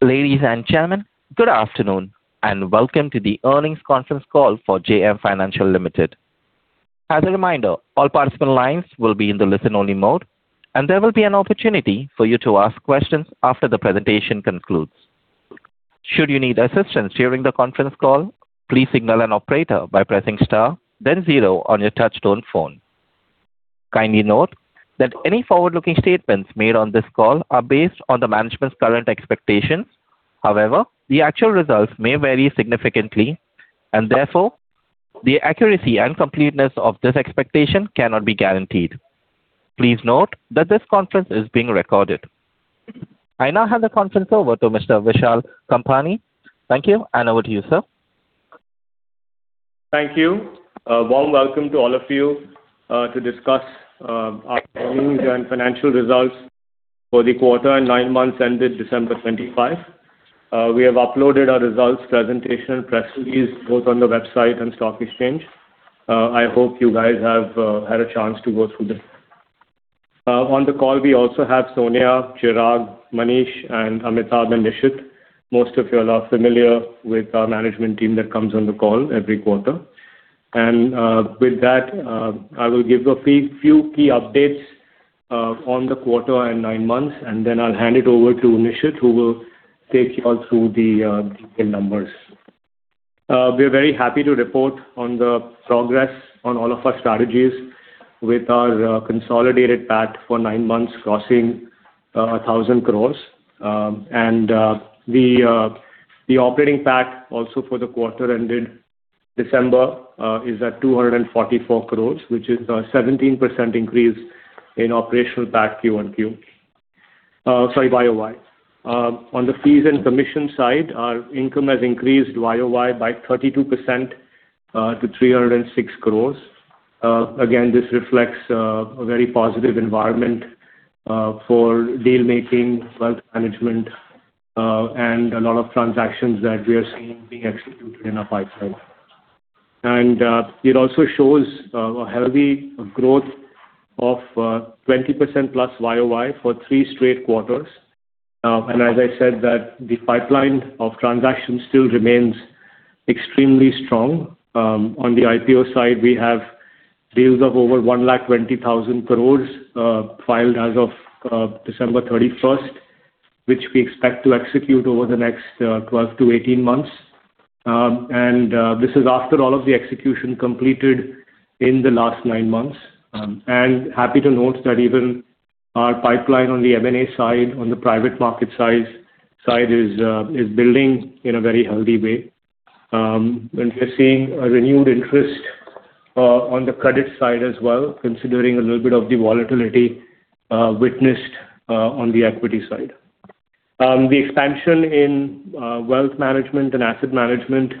Ladies and gentlemen, good afternoon and welcome to the earnings conference call for JM Financial Ltd. As a reminder, all participant lines will be in the listen-only mode, and there will be an opportunity for you to ask questions after the presentation concludes. Should you need assistance during the conference call, please signal an operator by pressing star, then zero on your touch-tone phone. Kindly note that any forward-looking statements made on this call are based on the management's current expectations. However, the actual results may vary significantly, and therefore the accuracy and completeness of this expectation cannot be guaranteed. Please note that this conference is being recorded. I now hand the conference over to Mr. Vishal Kampani. Thank you, and over to you, sir. Thank you. Warm welcome to all of you to discuss our earnings and financial results for the quarter and nine months ended December 2025. We have uploaded our results presentation press release both on the website and stock exchange. I hope you guys have had a chance to go through this. On the call, we also have Sonia, Chirag, Manish, and Amitabh and Nishit. Most of you all are familiar with our management team that comes on the call every quarter. And with that, I will give a few key updates on the quarter and nine months, and then I'll hand it over to Nishit, who will take you all through the numbers. We are very happy to report on the progress on all of our strategies with our consolidated PAT for nine months crossing 1,000 crore. The operating PAT also for the quarter ended December is at 244 crore, which is a 17% increase in operational PAT Q on Q. Sorry, YoY. On the fees and commission side, our income has increased YoY by 32% to 306 crore. Again, this reflects a very positive environment for dealmaking, wealth management, and a lot of transactions that we are seeing being executed in our pipeline. It also shows a healthy growth of 20%+ YoY for three straight quarters. As I said, the pipeline of transactions still remains extremely strong. On the IPO side, we have deals of over 120,000 crore filed as of December 31st, which we expect to execute over the next 12 to 18 months. This is after all of the execution completed in the last nine months. Happy to note that even our pipeline on the M&A side, on the private market side is building in a very healthy way. And we are seeing a renewed interest on the credit side as well, considering a little bit of the volatility witnessed on the equity side. The expansion in Wealth Management and Asset Management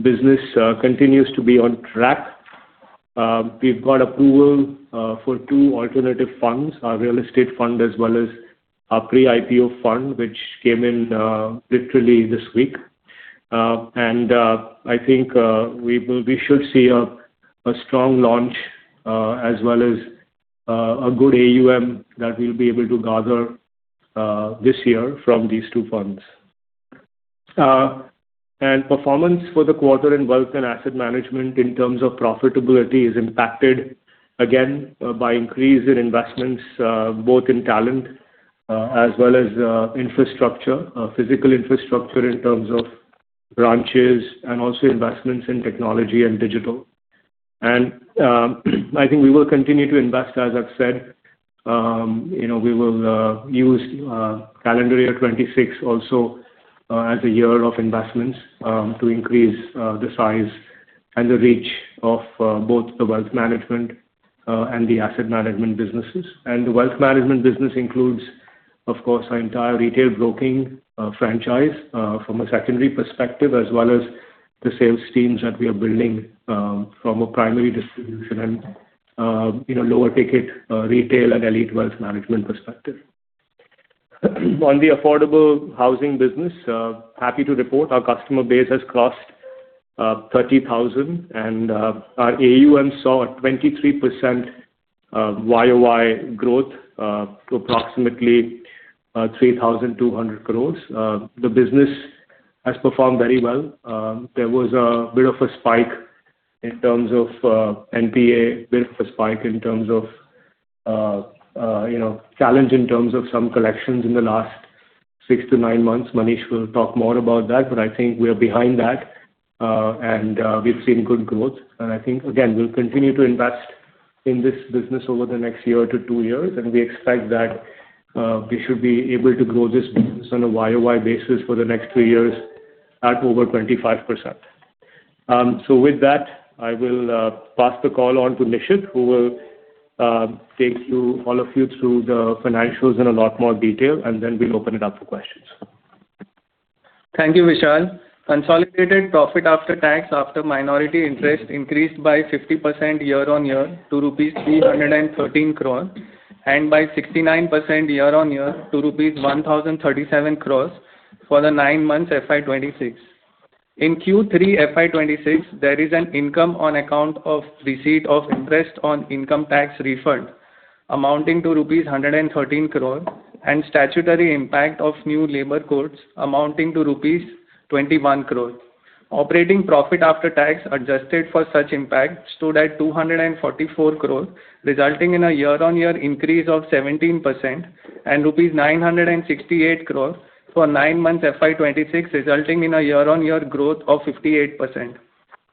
business continues to be on track. We've got approval for two alternative funds, our real estate fund as well as our pre-IPO fund, which came in literally this week. And I think we should see a strong launch as well as a good AUM that we'll be able to gather this year from these two funds. Performance for the quarter in Wealth and Asset Management in terms of profitability is impacted, again, by increase in investments both in talent as well as infrastructure, physical infrastructure in terms of branches, and also investments in technology and digital. I think we will continue to invest. As I've said, we will use calendar year 2026 also as a year of investments to increase the size and the reach of both the Wealth Management and the Asset Management businesses. The Wealth Management business includes, of course, our entire retail broking franchise from a secondary perspective, as well as the sales teams that we are building from a primary distribution and lower-ticket retail and elite wealth management perspective. On the Affordable Housing business, happy to report our customer base has crossed 30,000, and our AUM saw a 23% YoY growth to approximately 3,200 crore. The business has performed very well. There was a bit of a spike in terms of NPA, bit of a spike in terms of challenge in terms of some collections in the last six to nine months. Manish will talk more about that, but I think we are behind that, and we've seen good growth. I think, again, we'll continue to invest in this business over the next year to two years, and we expect that we should be able to grow this business on a YoY basis for the next two years at over 25%. So with that, I will pass the call on to Nishit, who will take all of you through the financials in a lot more detail, and then we'll open it up for questions. Thank you, Vishal. Consolidated profit after tax after minority interest increased by 50% year-over-year to rupees 313 crore, and by 69% year-over-year to rupees 1,037 crore for the nine months FY26. In Q3 FY26, there is an income on account of receipt of interest on income tax refund amounting to rupees 113 crore, and statutory impact of new labor codes amounting to rupees 21 crore. Operating profit after tax adjusted for such impact stood at 244 crore, resulting in a year-on-year increase of 17%, and rupees 968 crore for nine months FY 2026, resulting in a year-on-year growth of 58%.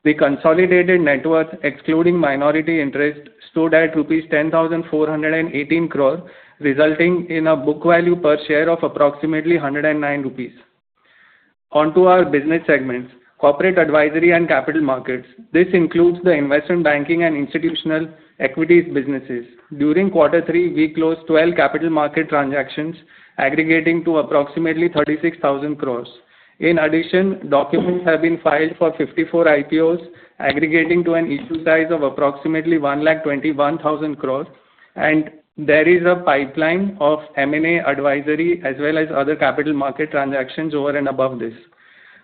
The consolidated net worth, excluding minority interest, stood at rupees 10,418 crore, resulting in a book value per share of approximately 109 rupees. Onto our business segments, Corporate Advisory and Capital Markets. This includes the investment banking and institutional equities businesses. During quarter three, we closed 12 capital market transactions, aggregating to approximately 36,000 crore. In addition, documents have been filed for 54 IPOs, aggregating to an issue size of approximately 121,000 crore. There is a pipeline of M&A advisory as well as other capital market transactions over and above this.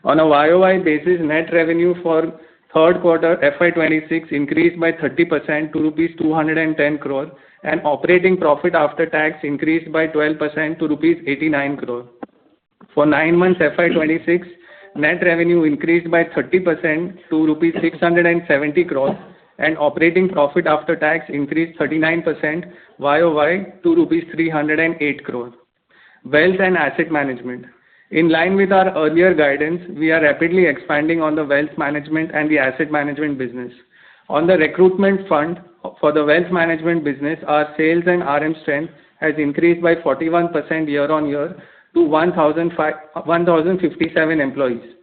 On a YoY basis, net revenue for third quarter FY 2026 increased by 30% to rupees 210 crore, and operating profit after tax increased by 12% to rupees 89 crore. For nine months FY 2026, net revenue increased by 30% to rupees 670 crore, and operating profit after tax increased 39% YoY to rupees 308 crore. Wealth and Asset Management. In line with our earlier guidance, we are rapidly expanding on the Wealth Management and the Asset Management business. On the recruitment front for the Wealth Management business, our sales and RM strength has increased by 41% year-on-year to 1,057 employees.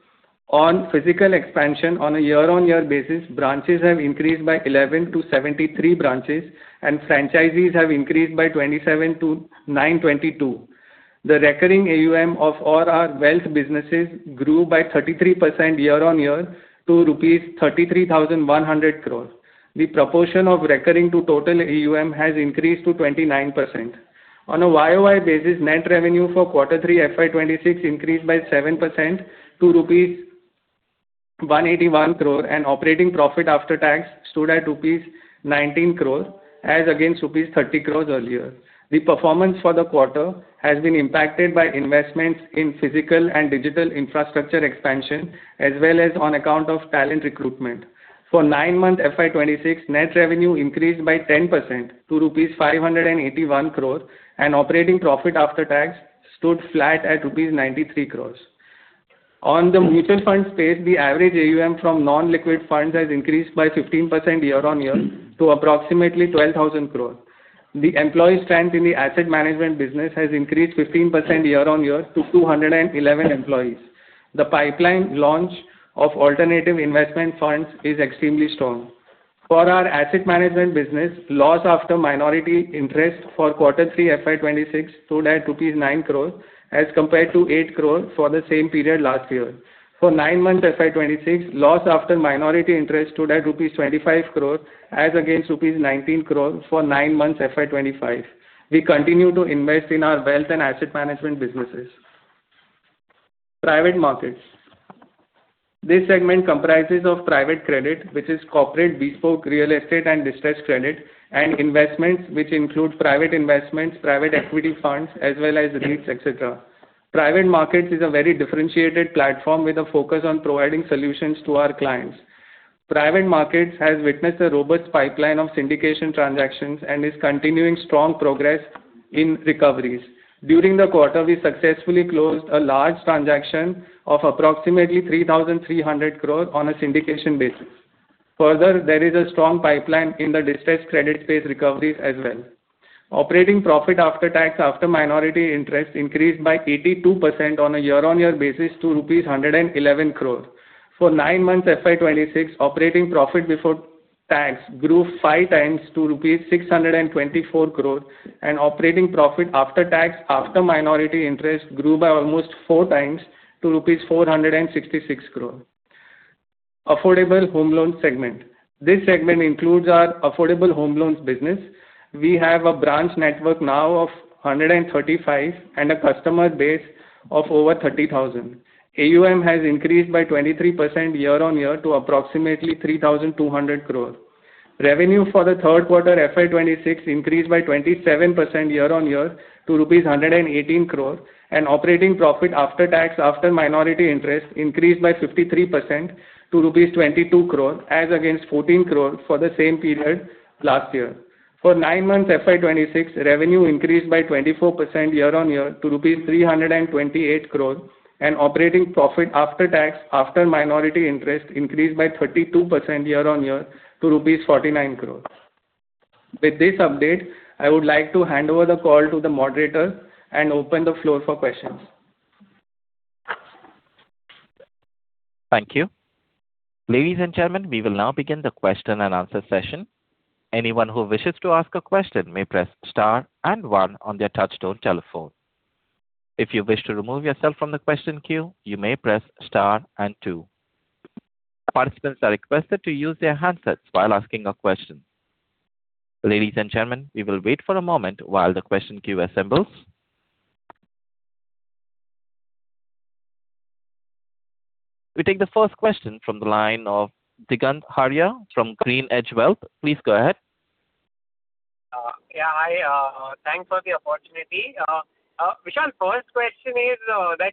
On physical expansion on a year-over-year basis, branches have increased by 11 to 73 branches, and franchises have increased by 27 to 922. The recurring AUM of all our wealth businesses grew by 33% year-over-year to rupees 33,100 crore. The proportion of recurring to total AUM has increased to 29%. On a YoY basis, net revenue for quarter three FY 2026 increased by 7% to rupees 181 crore, and operating profit after tax stood at rupees 19 crore, as against rupees 30 crore earlier. The performance for the quarter has been impacted by investments in physical and digital infrastructure expansion, as well as on account of talent recruitment. For nine months FY 2026, net revenue increased by 10% to rupees 581 crore, and operating profit after tax stood flat at rupees 93 crore. On the mutual fund space, the average AUM from non-liquid funds has increased by 15% year-over-year to approximately 12,000 crore. The employee strength in the Asset Management business has increased 15% year-on-year to 211 employees. The pipeline launch of alternative investment funds is extremely strong. For our Asset Management business, loss after minority interest for quarter three FY 2026 stood at rupees 9 crore, as compared to 8 crore for the same period last year. For nine months FY 2026, loss after minority interest stood at rupees 25 crore, as against rupees 19 crore for nine months FY25. We continue to invest in our Wealth and Asset Management businesses. Private Markets. This segment comprises private credit, which is corporate bespoke real estate and distressed credit, and investments, which include private investments, private equity funds, as well as REITs, etc. Private Markets is a very differentiated platform with a focus on providing solutions to our clients. Private markets has witnessed a robust pipeline of syndication transactions and is continuing strong progress in recoveries. During the quarter, we successfully closed a large transaction of approximately 3,300 crore on a syndication basis. Further, there is a strong pipeline in the distressed credit space recoveries as well. Operating profit after tax after minority interest increased by 82% on a year-over-year basis to rupees 111 crore. For nine months FY 2026, operating profit before tax grew 5x to rupees 624 crore, and operating profit after tax after minority interest grew by almost 4x to rupees 466 crore. Affordable home loan segment. This segment includes our Affordable Home Loans business. We have a branch network now of 135 and a customer base of over 30,000. AUM has increased by 23% year-over-year to approximately 3,200 crore. Revenue for the third quarter FY 2026 increased by 27% year-on-year to rupees 118 crore, and operating profit after tax after minority interest increased by 53% to rupees 22 crore, as against 14 crore for the same period last year. For nine months FY 2026, revenue increased by 24% year-on-year to rupees 328 crore, and operating profit after tax after minority interest increased by 32% year-on-year to 49 crore rupees. With this update, I would like to hand over the call to the moderator and open the floor for questions. Thank you. Ladies and gentlemen, we will now begin the question-and-answer session. Anyone who wishes to ask a question may press star and one on their touch-tone telephone. If you wish to remove yourself from the question queue, you may press star and two. Participants are requested to use their handsets while asking a question. Ladies and gentlemen, we will wait for a moment while the question queue assembles. We take the first question from the line of Digant Haria from GreenEdge Wealth. Please go ahead. Yeah, thanks for the opportunity. Vishal, first question is that,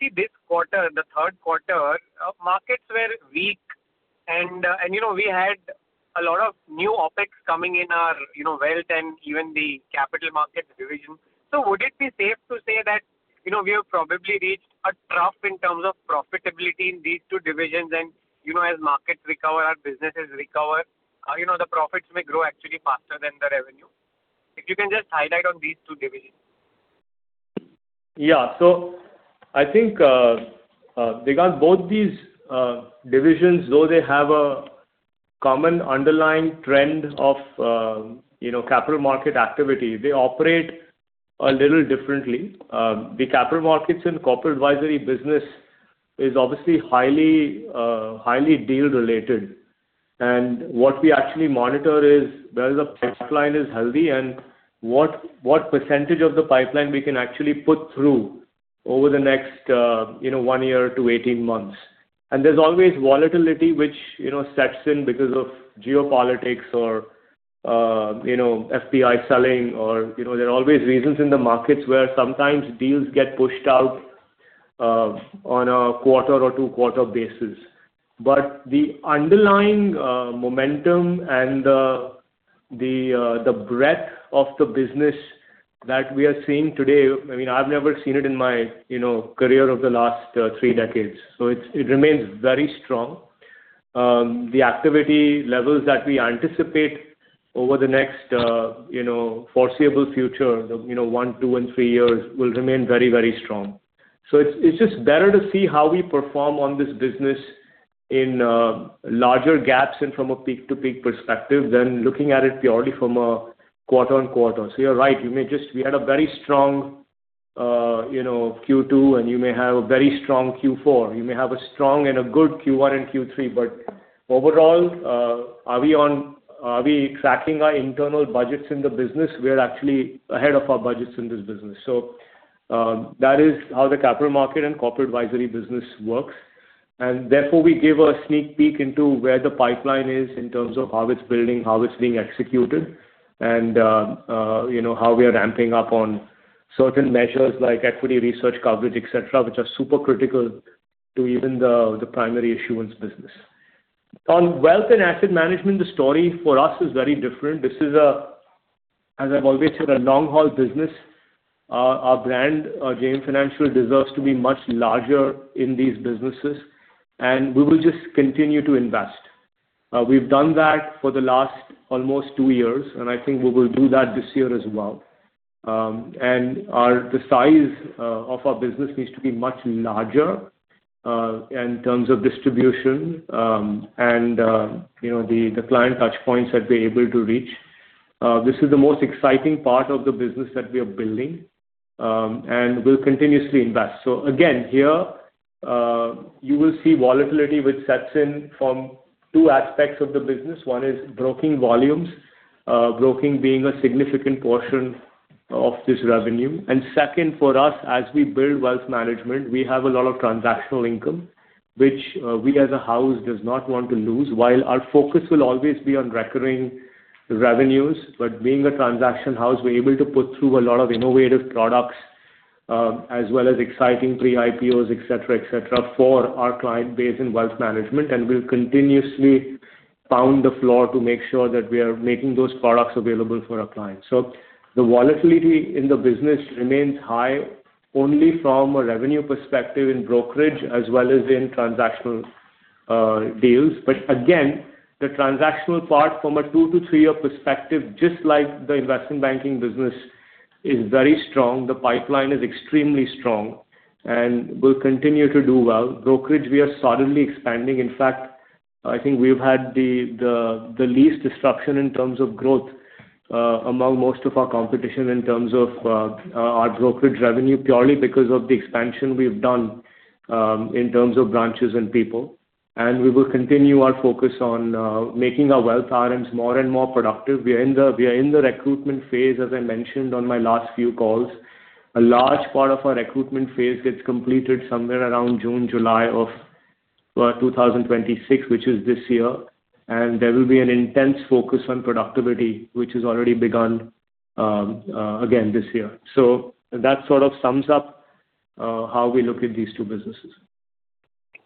see, this quarter, the third quarter, markets were weak, and we had a lot of new OpEx coming in our wealth and even the Capital Markets division. So would it be safe to say that we have probably reached a trough in terms of profitability in these two divisions, and as markets recover, our businesses recover, the profits may grow actually faster than the revenue? If you can just highlight on these two divisions. Yeah. So I think, Digant, both these divisions, though they have a common underlying trend of capital market activity, they operate a little differently. The Capital Markets and Corporate Advisory business is obviously highly deal-related. And what we actually monitor is whether the pipeline is healthy and what percentage of the pipeline we can actually put through over the next one year to 18 months. And there's always volatility, which sets in because of geopolitics or FPI selling, or there are always reasons in the markets where sometimes deals get pushed out on a quarter or two-quarter basis. But the underlying momentum and the breadth of the business that we are seeing today, I mean, I've never seen it in my career of the last three decades. So it remains very strong. The activity levels that we anticipate over the next foreseeable future, the one, two, and three years, will remain very, very strong. So it's just better to see how we perform on this business in larger gaps and from a peak-to-peak perspective than looking at it purely from a quarter-on-quarter. So you're right. We had a very strong Q2, and you may have a very strong Q4. You may have a strong and a good Q1 and Q3. But overall, are we tracking our internal budgets in the business? We're actually ahead of our budgets in this business. So that is how the Capital Market and Corporate Advisory business works. Therefore, we give a sneak peek into where the pipeline is in terms of how it's building, how it's being executed, and how we are ramping up on certain measures like equity research coverage, etc., which are super critical to even the primary issuance business. On Wealth and Asset Management, the story for us is very different. This is, as I've always said, a long-haul business. Our brand, JM Financial, deserves to be much larger in these businesses, and we will just continue to invest. We've done that for the last almost two years, and I think we will do that this year as well. The size of our business needs to be much larger in terms of distribution and the client touchpoints that we're able to reach. This is the most exciting part of the business that we are building and will continuously invest. So again, here, you will see volatility, which sets in from two aspects of the business. One is broking volumes, broking being a significant portion of this revenue. And second, for us, as we build Wealth Management, we have a lot of transactional income, which we, as a house, do not want to lose, while our focus will always be on recurring revenues. But being a transaction house, we're able to put through a lot of innovative products as well as exciting pre-IPOs, etc., etc., for our client base in Wealth Management, and we'll continuously pound the floor to make sure that we are making those products available for our clients. So the volatility in the business remains high only from a revenue perspective in brokerage as well as in transactional deals. But again, the transactional part from a two to three-year perspective, just like the investment banking business, is very strong. The pipeline is extremely strong and will continue to do well. Brokerage, we are solidly expanding. In fact, I think we've had the least disruption in terms of growth among most of our competition in terms of our brokerage revenue purely because of the expansion we've done in terms of branches and people. We will continue our focus on making our wealth RMs more and more productive. We are in the recruitment phase, as I mentioned on my last few calls. A large part of our recruitment phase gets completed somewhere around June, July of 2026, which is this year. There will be an intense focus on productivity, which has already begun again this year. That sort of sums up how we look at these two businesses.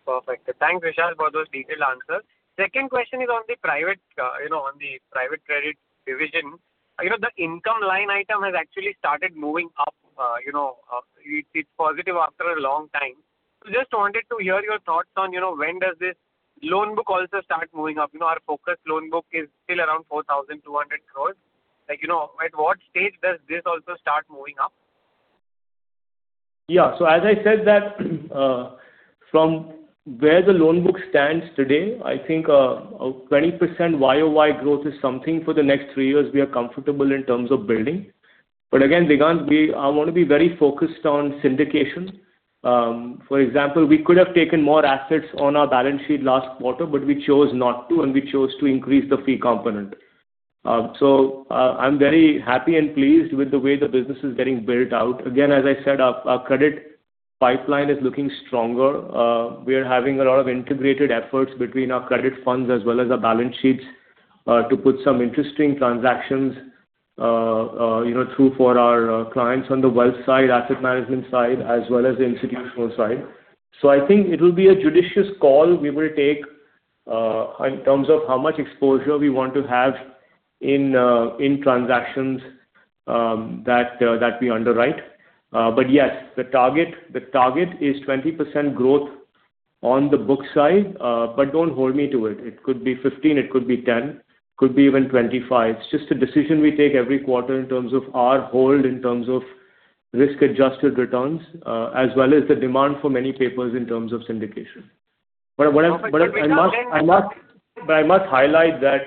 Perfect. Thanks, Vishal, for those detailed answers. Second question is on the private credit division. The income line item has actually started moving up. It's positive after a long time. So just wanted to hear your thoughts on when does this loan book also start moving up? Our focused loan book is still around 4,200 crore. At what stage does this also start moving up? Yeah. So as I said that, from where the loan book stands today, I think 20% YoY growth is something for the next three years we are comfortable in terms of building. But again, Digant, I want to be very focused on syndication. For example, we could have taken more assets on our balance sheet last quarter, but we chose not to, and we chose to increase the fee component. So I'm very happy and pleased with the way the business is getting built out. Again, as I said, our credit pipeline is looking stronger. We are having a lot of integrated efforts between our credit funds as well as our balance sheets to put some interesting transactions through for our clients on the Wealth side, Asset Management side, as well as the Institutional side. So I think it will be a judicious call we will take in terms of how much exposure we want to have in transactions that we underwrite. But yes, the target is 20% growth on the book side, but don't hold me to it. It could be 15%. It could be 10%. It could be even 25%. It's just a decision we take every quarter in terms of our hold in terms of risk-adjusted returns as well as the demand for many papers in terms of syndication. But I must highlight that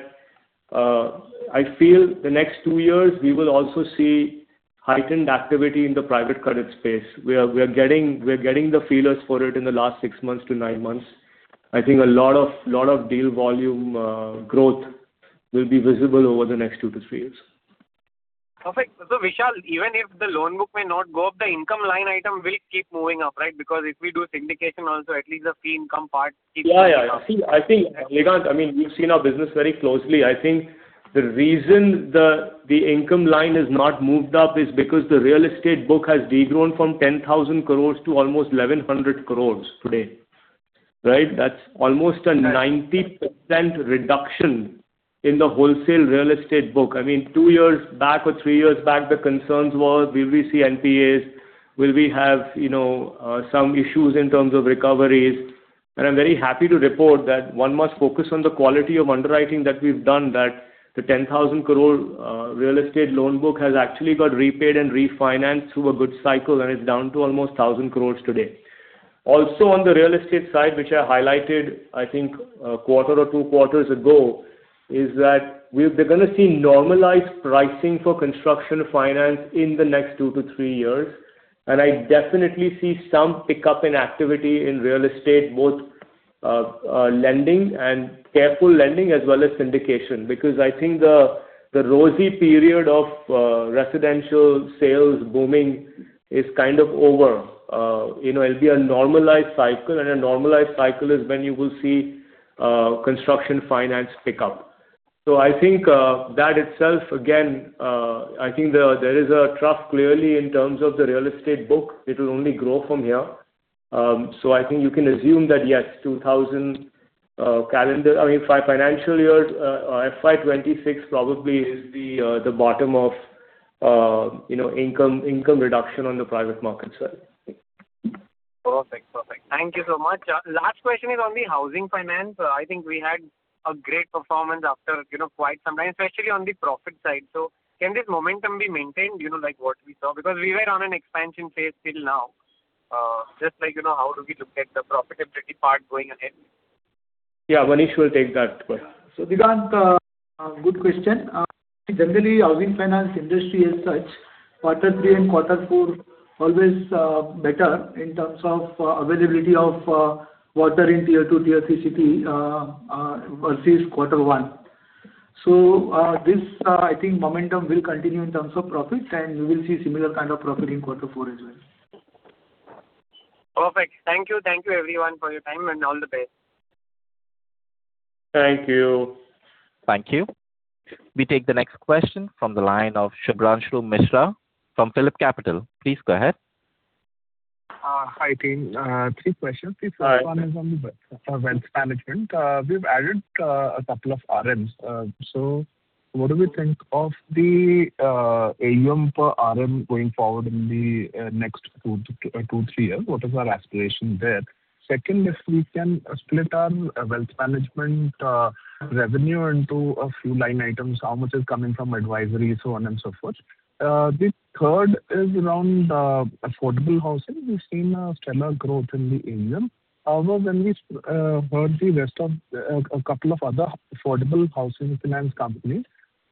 I feel the next two years, we will also see heightened activity in the private credit space. We are getting the feelers for it in the last 6-9 months. I think a lot of deal volume growth will be visible over the next two to three years. Perfect. So Vishal, even if the loan book may not go up, the income line item will keep moving up, right? Because if we do syndication also, at least the fee income part keeps moving up. Yeah, yeah, yeah. See, Digant, I mean, we've seen our business very closely. I think the reason the income line is not moved up is because the real estate book has degrown from 10,000 crore to almost 1,100 crore today, right? That's almost a 90% reduction in the wholesale real estate book. I mean, two years back or three years back, the concerns were, will we see NPAs? Will we have some issues in terms of recoveries? And I'm very happy to report that one must focus on the quality of underwriting that we've done, that the 10,000 crore real estate loan book has actually got repaid and refinanced through a good cycle, and it's down to almost 1,000 crore today. Also, on the real estate side, which I highlighted, I think, a quarter or two quarters ago, is that they're going to see normalized pricing for construction finance in the next two to three years. And I definitely see some pickup in activity in real estate, both lending and careful lending as well as syndication, because I think the rosy period of residential sales booming is kind of over. It'll be a normalized cycle, and a normalized cycle is when you will see construction finance pick up. So I think that itself, again, I think there is a trough clearly in terms of the real estate book. It'll only grow from here. So I think you can assume that, yes, 2000 calendar I mean, financial year, FY 2026 probably is the bottom of income reduction on the Private Market side. Perfect, perfect. Thank you so much. Last question is on the housing finance. I think we had a great performance after quite some time, especially on the profit side. So can this momentum be maintained like what we saw? Because we were on an expansion phase till now. Just how do we look at the profitability part going ahead? Yeah, Manish will take that. So Digant, good question. Generally, housing finance industry as such, quarter three and quarter four, always better in terms of availability of water in tier two, tier three, city versus quarter one. So this, I think, momentum will continue in terms of profit, and we will see similar kind of profit in quarter four as well. Perfect. Thank you. Thank you, everyone, for your time, and all the best. Thank you. Thank you. We take the next question from the line of Shubranshu Mishra from PhillipCapital. Please go ahead. Hi, team. Three questions. Please respond on the Wealth Management. We've added a couple of RMs. So what do we think of the AUM per RM going forward in the next two, three years? What is our aspiration there? Second, if we can split our Wealth Management revenue into a few line items, how much is coming from advisory, so on and so forth. The third is around Affordable Housing. We've seen a stellar growth in the AUM. However, when we heard the rest of a couple of other affordable housing finance companies,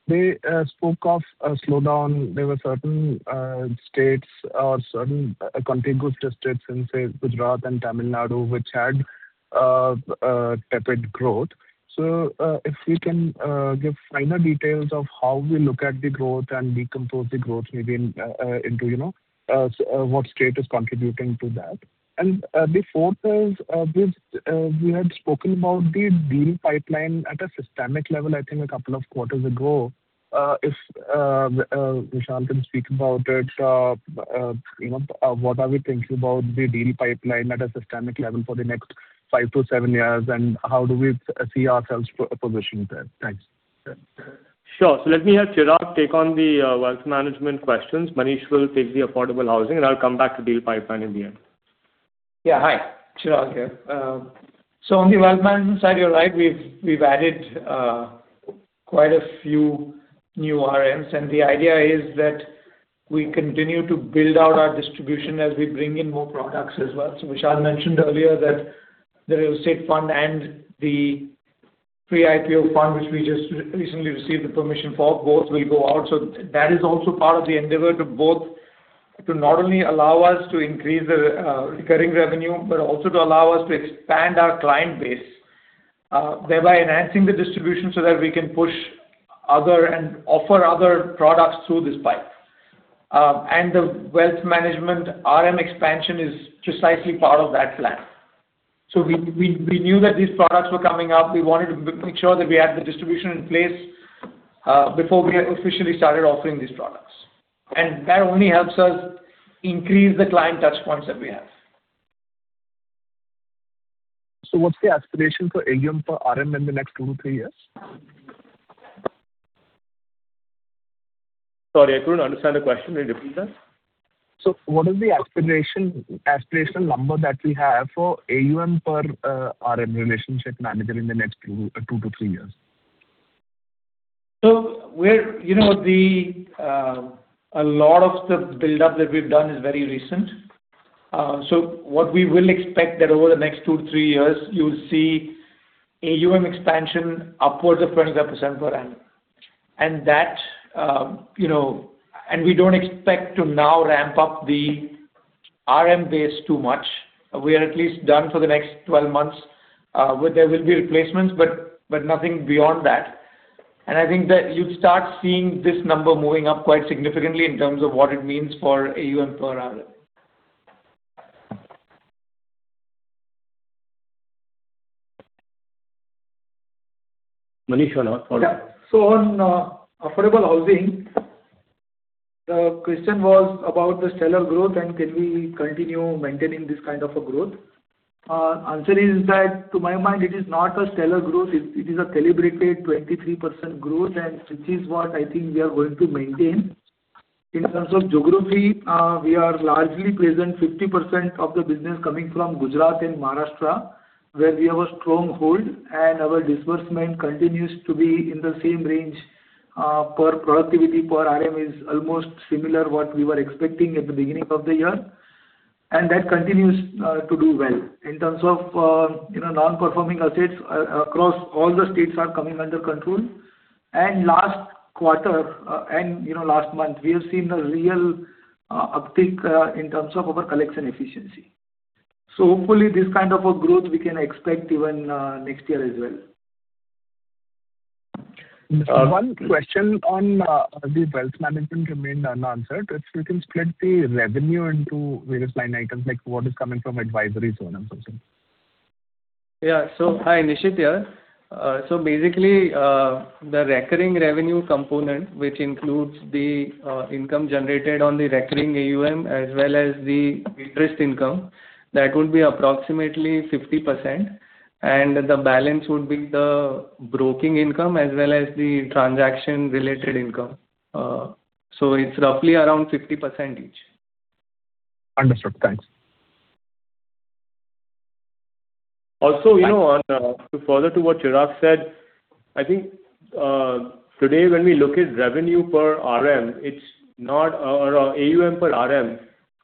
they spoke of a slowdown. There were certain states or certain contiguous states in, say, Gujarat and Tamil Nadu, which had tepid growth. So if we can give finer details of how we look at the growth and decompose the growth maybe into what state is contributing to that. The fourth is we had spoken about the deal pipeline at a systemic level, I think, a couple of quarters ago. If Vishal can speak about it, what are we thinking about the deal pipeline at a systemic level for the next five to seven years, and how do we see ourselves positioned there? Thanks. Sure. So let me have Chirag take on the Wealth Management questions. Manish will take the Affordable Housing, and I'll come back to deal pipeline in the end. Yeah, hi. Chirag here. So on the Wealth Management side, you're right. We've added quite a few new RMs. And the idea is that we continue to build out our distribution as we bring in more products as well. So Vishal mentioned earlier that the real estate fund and the pre-IPO fund, which we just recently received the permission for, both will go out. So that is also part of the endeavor to not only allow us to increase the recurring revenue but also to allow us to expand our client base, thereby enhancing the distribution so that we can push other and offer other products through this pipe. And the Wealth Management RM expansion is precisely part of that plan. So we knew that these products were coming up. We wanted to make sure that we had the distribution in place before we officially started offering these products. That only helps us increase the client touchpoints that we have. What's the aspiration for AUM per RM in the next two, three years? Sorry, I couldn't understand the question. Can you repeat that? What is the aspirational number that we have for AUM per RM relationship manager in the next two to three years? A lot of the buildup that we've done is very recent. What we will expect that over the next two, three years, you will see AUM expansion upwards of 25% per annum. We don't expect to now ramp up the RM base too much. We are at least done for the next 12 months, where there will be replacements, but nothing beyond that. I think that you'd start seeing this number moving up quite significantly in terms of what it means for AUM per RM. Manish or not? Pardon. Yeah. So on Affordable Housing, the question was about the stellar growth, and can we continue maintaining this kind of growth? Answer is that, to my mind, it is not a stellar growth. It is a calibrated 23% growth, which is what I think we are going to maintain. In terms of geography, we are largely present 50% of the business coming from Gujarat and Maharashtra, where we have a strong hold, and our disbursement continues to be in the same range. Per productivity, per RM is almost similar to what we were expecting at the beginning of the year. And that continues to do well in terms of non-performing assets across all the states are coming under control. And last quarter and last month, we have seen a real uptick in terms of our collection efficiency. Hopefully, this kind of growth we can expect even next year as well. One question on the Wealth Management remained unanswered. If we can split the revenue into various line items, like what is coming from advisory, so on and so forth. Yeah. So hi, Nishit here. So basically, the recurring revenue component, which includes the income generated on the recurring AUM as well as the interest income, that would be approximately 50%. And the balance would be the broking income as well as the transaction-related income. So it's roughly around 50% each. Understood. Thanks. Also, to further to what Chirag said, I think today, when we look at revenue per RM or AUM per RM,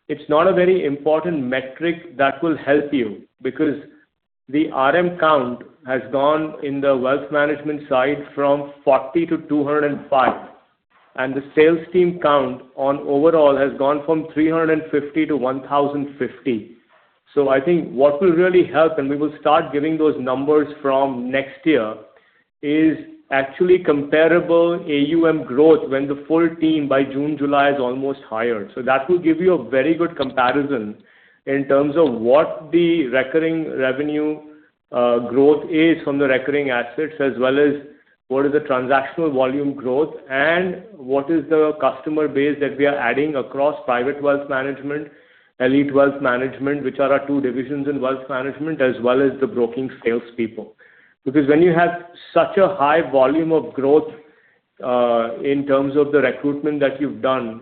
it's not a very important metric that will help you because the RM count has gone in the Wealth Management side from 40-205. And the sales team count, overall, has gone from 350-1,050. So I think what will really help, and we will start giving those numbers from next year, is actually comparable AUM growth when the full team by June, July is almost hired. So that will give you a very good comparison in terms of what the recurring revenue growth is from the recurring assets as well as what is the transactional volume growth and what is the customer base that we are adding across Private Wealth Management, Elite Wealth Management, which are our two divisions in Wealth Management, as well as the broking salespeople. Because when you have such a high volume of growth in terms of the recruitment that you've done,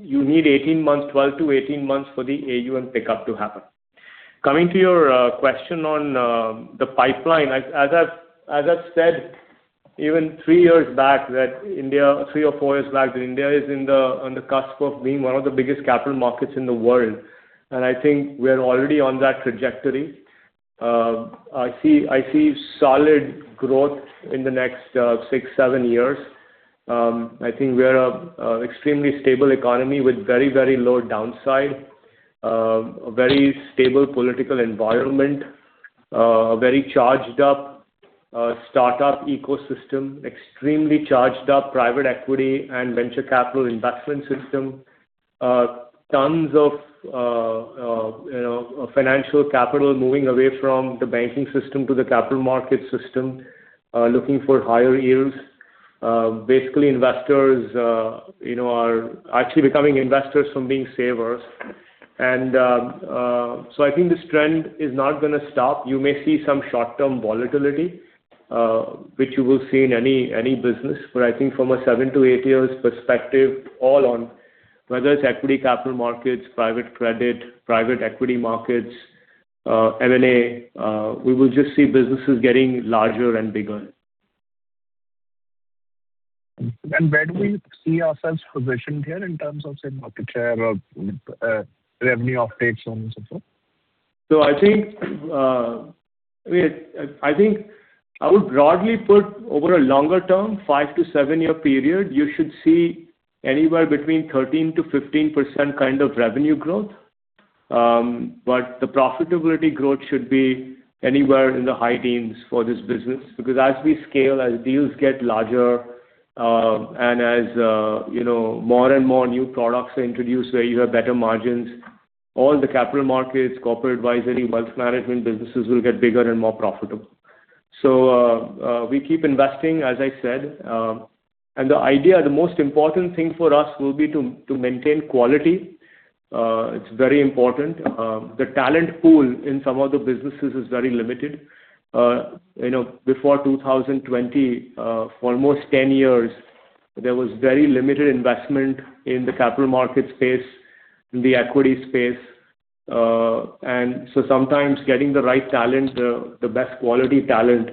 you need 18 months, 12-18 months, for the AUM pickup to happen. Coming to your question on the pipeline, as I've said even three years back that India three or four years back that India is on the cusp of being one of the biggest capital markets in the world. And I think we are already on that trajectory. I see solid growth in the next six, seven years. I think we are an extremely stable economy with very, very low downside, a very stable political environment, a very charged-up startup ecosystem, extremely charged-up private equity and venture capital investment system, tons of financial capital moving away from the banking system to the capital market system, looking for higher yields. Basically, investors are actually becoming investors from being savers. And so I think this trend is not going to stop. You may see some short-term volatility, which you will see in any business. But I think from a seven to eight years perspective, all on whether it's equity capital markets, private credit, private equity markets, M&A, we will just see businesses getting larger and bigger. Where do we see ourselves positioned here in terms of, say, market share, revenue offtakes, so on and so forth? So I think I would broadly put, over a longer term, five to seven-year period, you should see anywhere between 13%-15% kind of revenue growth. But the profitability growth should be anywhere in the high teens for this business because as we scale, as deals get larger, and as more and more new products are introduced where you have better margins, all the Capital Markets, Corporate Advisory, Wealth Management businesses will get bigger and more profitable. So we keep investing, as I said. And the idea, the most important thing for us will be to maintain quality. It's very important. The talent pool in some of the businesses is very limited. Before 2020, for almost 10 years, there was very limited investment in the capital market space, in the equity space. And so sometimes getting the right talent, the best quality talent,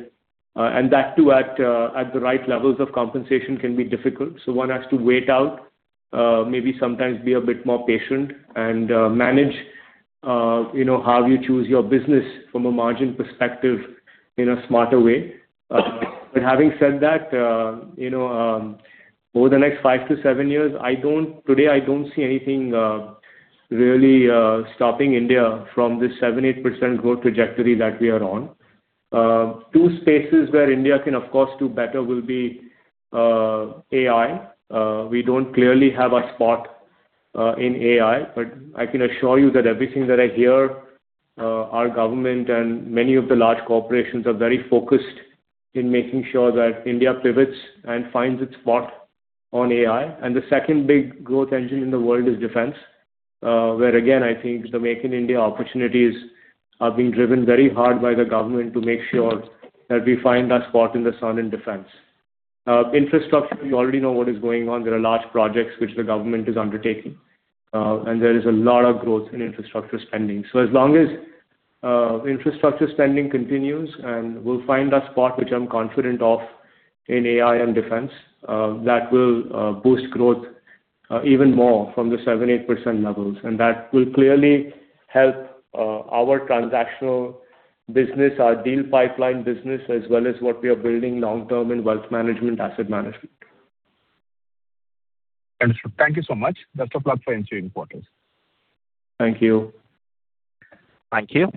and that too at the right levels of compensation can be difficult. So one has to wait out, maybe sometimes be a bit more patient, and manage how you choose your business from a margin perspective in a smarter way. But having said that, over the next five to seven years, today, I don't see anything really stopping India from this 7%-8% growth trajectory that we are on. Two spaces where India can, of course, do better will be AI. We don't clearly have a spot in AI. But I can assure you that everything that I hear, our government and many of the large corporations are very focused in making sure that India pivots and finds its spot on AI. And the second big growth engine in the world is defense, where, again, I think the Make in India opportunities are being driven very hard by the government to make sure that we find our spot in the sun in defense. Infrastructure, you already know what is going on. There are large projects which the government is undertaking. And there is a lot of growth in infrastructure spending. So as long as infrastructure spending continues and we'll find our spot, which I'm confident of, in AI and defense, that will boost growth even more from the 7%-8% levels. And that will clearly help our transactional business, our deal pipeline business, as well as what we are building long-term in Wealth Management, Asset Management. Understood. Thank you so much. Best of luck for ensuring quarters. Thank you. Thank you.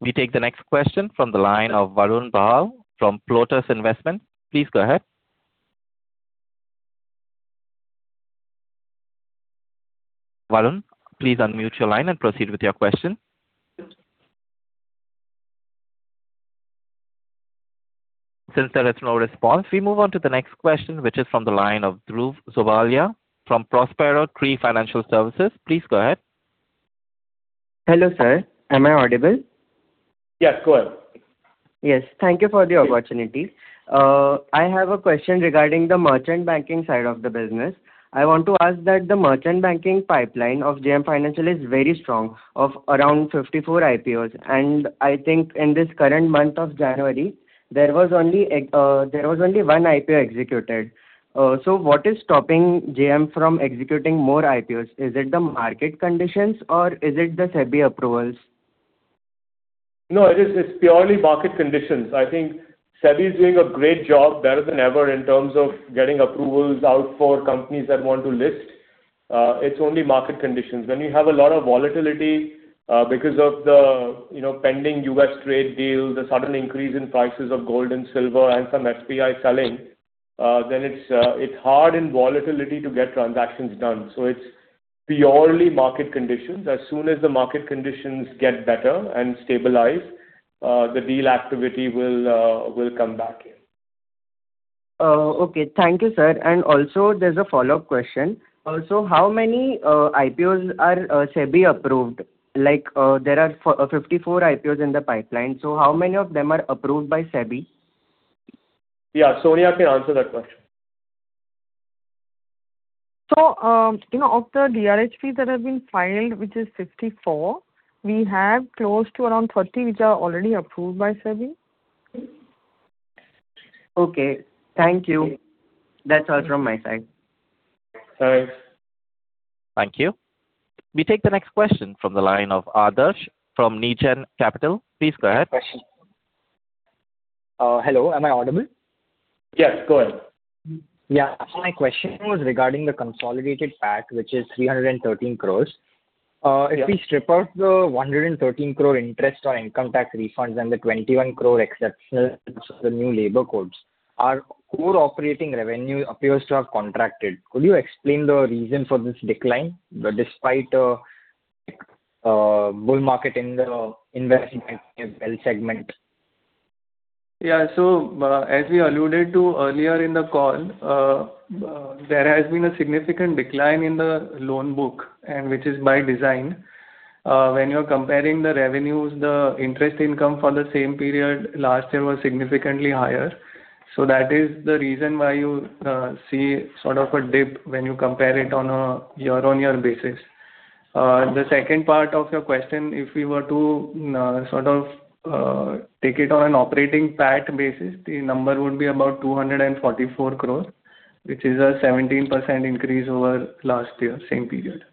We take the next question from the line of Varun Bahaul from Plutus Investment. Please go ahead. Varun, please unmute your line and proceed with your question. Since there is no response, we move on to the next question, which is from the line of Dhruv Zobalia from Prospero Tree Financial Services. Please go ahead. Hello, sir. Am I audible? Yes, go ahead. Yes. Thank you for the opportunity. I have a question regarding the merchant banking side of the business. I want to ask that the merchant banking pipeline of JM Financial is very strong, of around 54 IPOs. And I think in this current month of January, there was only one IPO executed. So what is stopping JM from executing more IPOs? Is it the market conditions, or is it the SEBI approvals? No, it's purely market conditions. I think SEBI is doing a great job better than ever in terms of getting approvals out for companies that want to list. It's only market conditions. When you have a lot of volatility because of the pending US trade deal, the sudden increase in prices of gold and silver, and some FPI selling, then it's hard in volatility to get transactions done. So it's purely market conditions. As soon as the market conditions get better and stabilize, the deal activity will come back. Okay. Thank you, sir. And also, there's a follow-up question. So how many IPOs are SEBI approved? There are 54 IPOs in the pipeline. So how many of them are approved by SEBI? Yeah. Sonia can answer that question. Of the DRHPs that have been filed, which is 54, we have close to around 30 which are already approved by SEBI. Okay. Thank you. That's all from my side. Thanks. Thank you. We take the next question from the line of Adarsh from Negen Capital. Please go ahead. Question. Hello. Am I audible? Yes. Go ahead. Yeah. My question was regarding the consolidated PAT, which is 313 crore. If we strip out the 113 crore interest or income tax refunds and the 21 crore exceptional for the new labor codes, our core operating revenue appears to have contracted. Could you explain the reason for this decline, despite a bull market in the investment banking segment? Yeah. So as we alluded to earlier in the call, there has been a significant decline in the loan book, which is by design. When you're comparing the revenues, the interest income for the same period last year was significantly higher. So that is the reason why you see sort of a dip when you compare it on a year-on-year basis. The second part of your question, if we were to sort of take it on an operating PAT basis, the number would be about 244 crore, which is a 17% increase over last year, same period.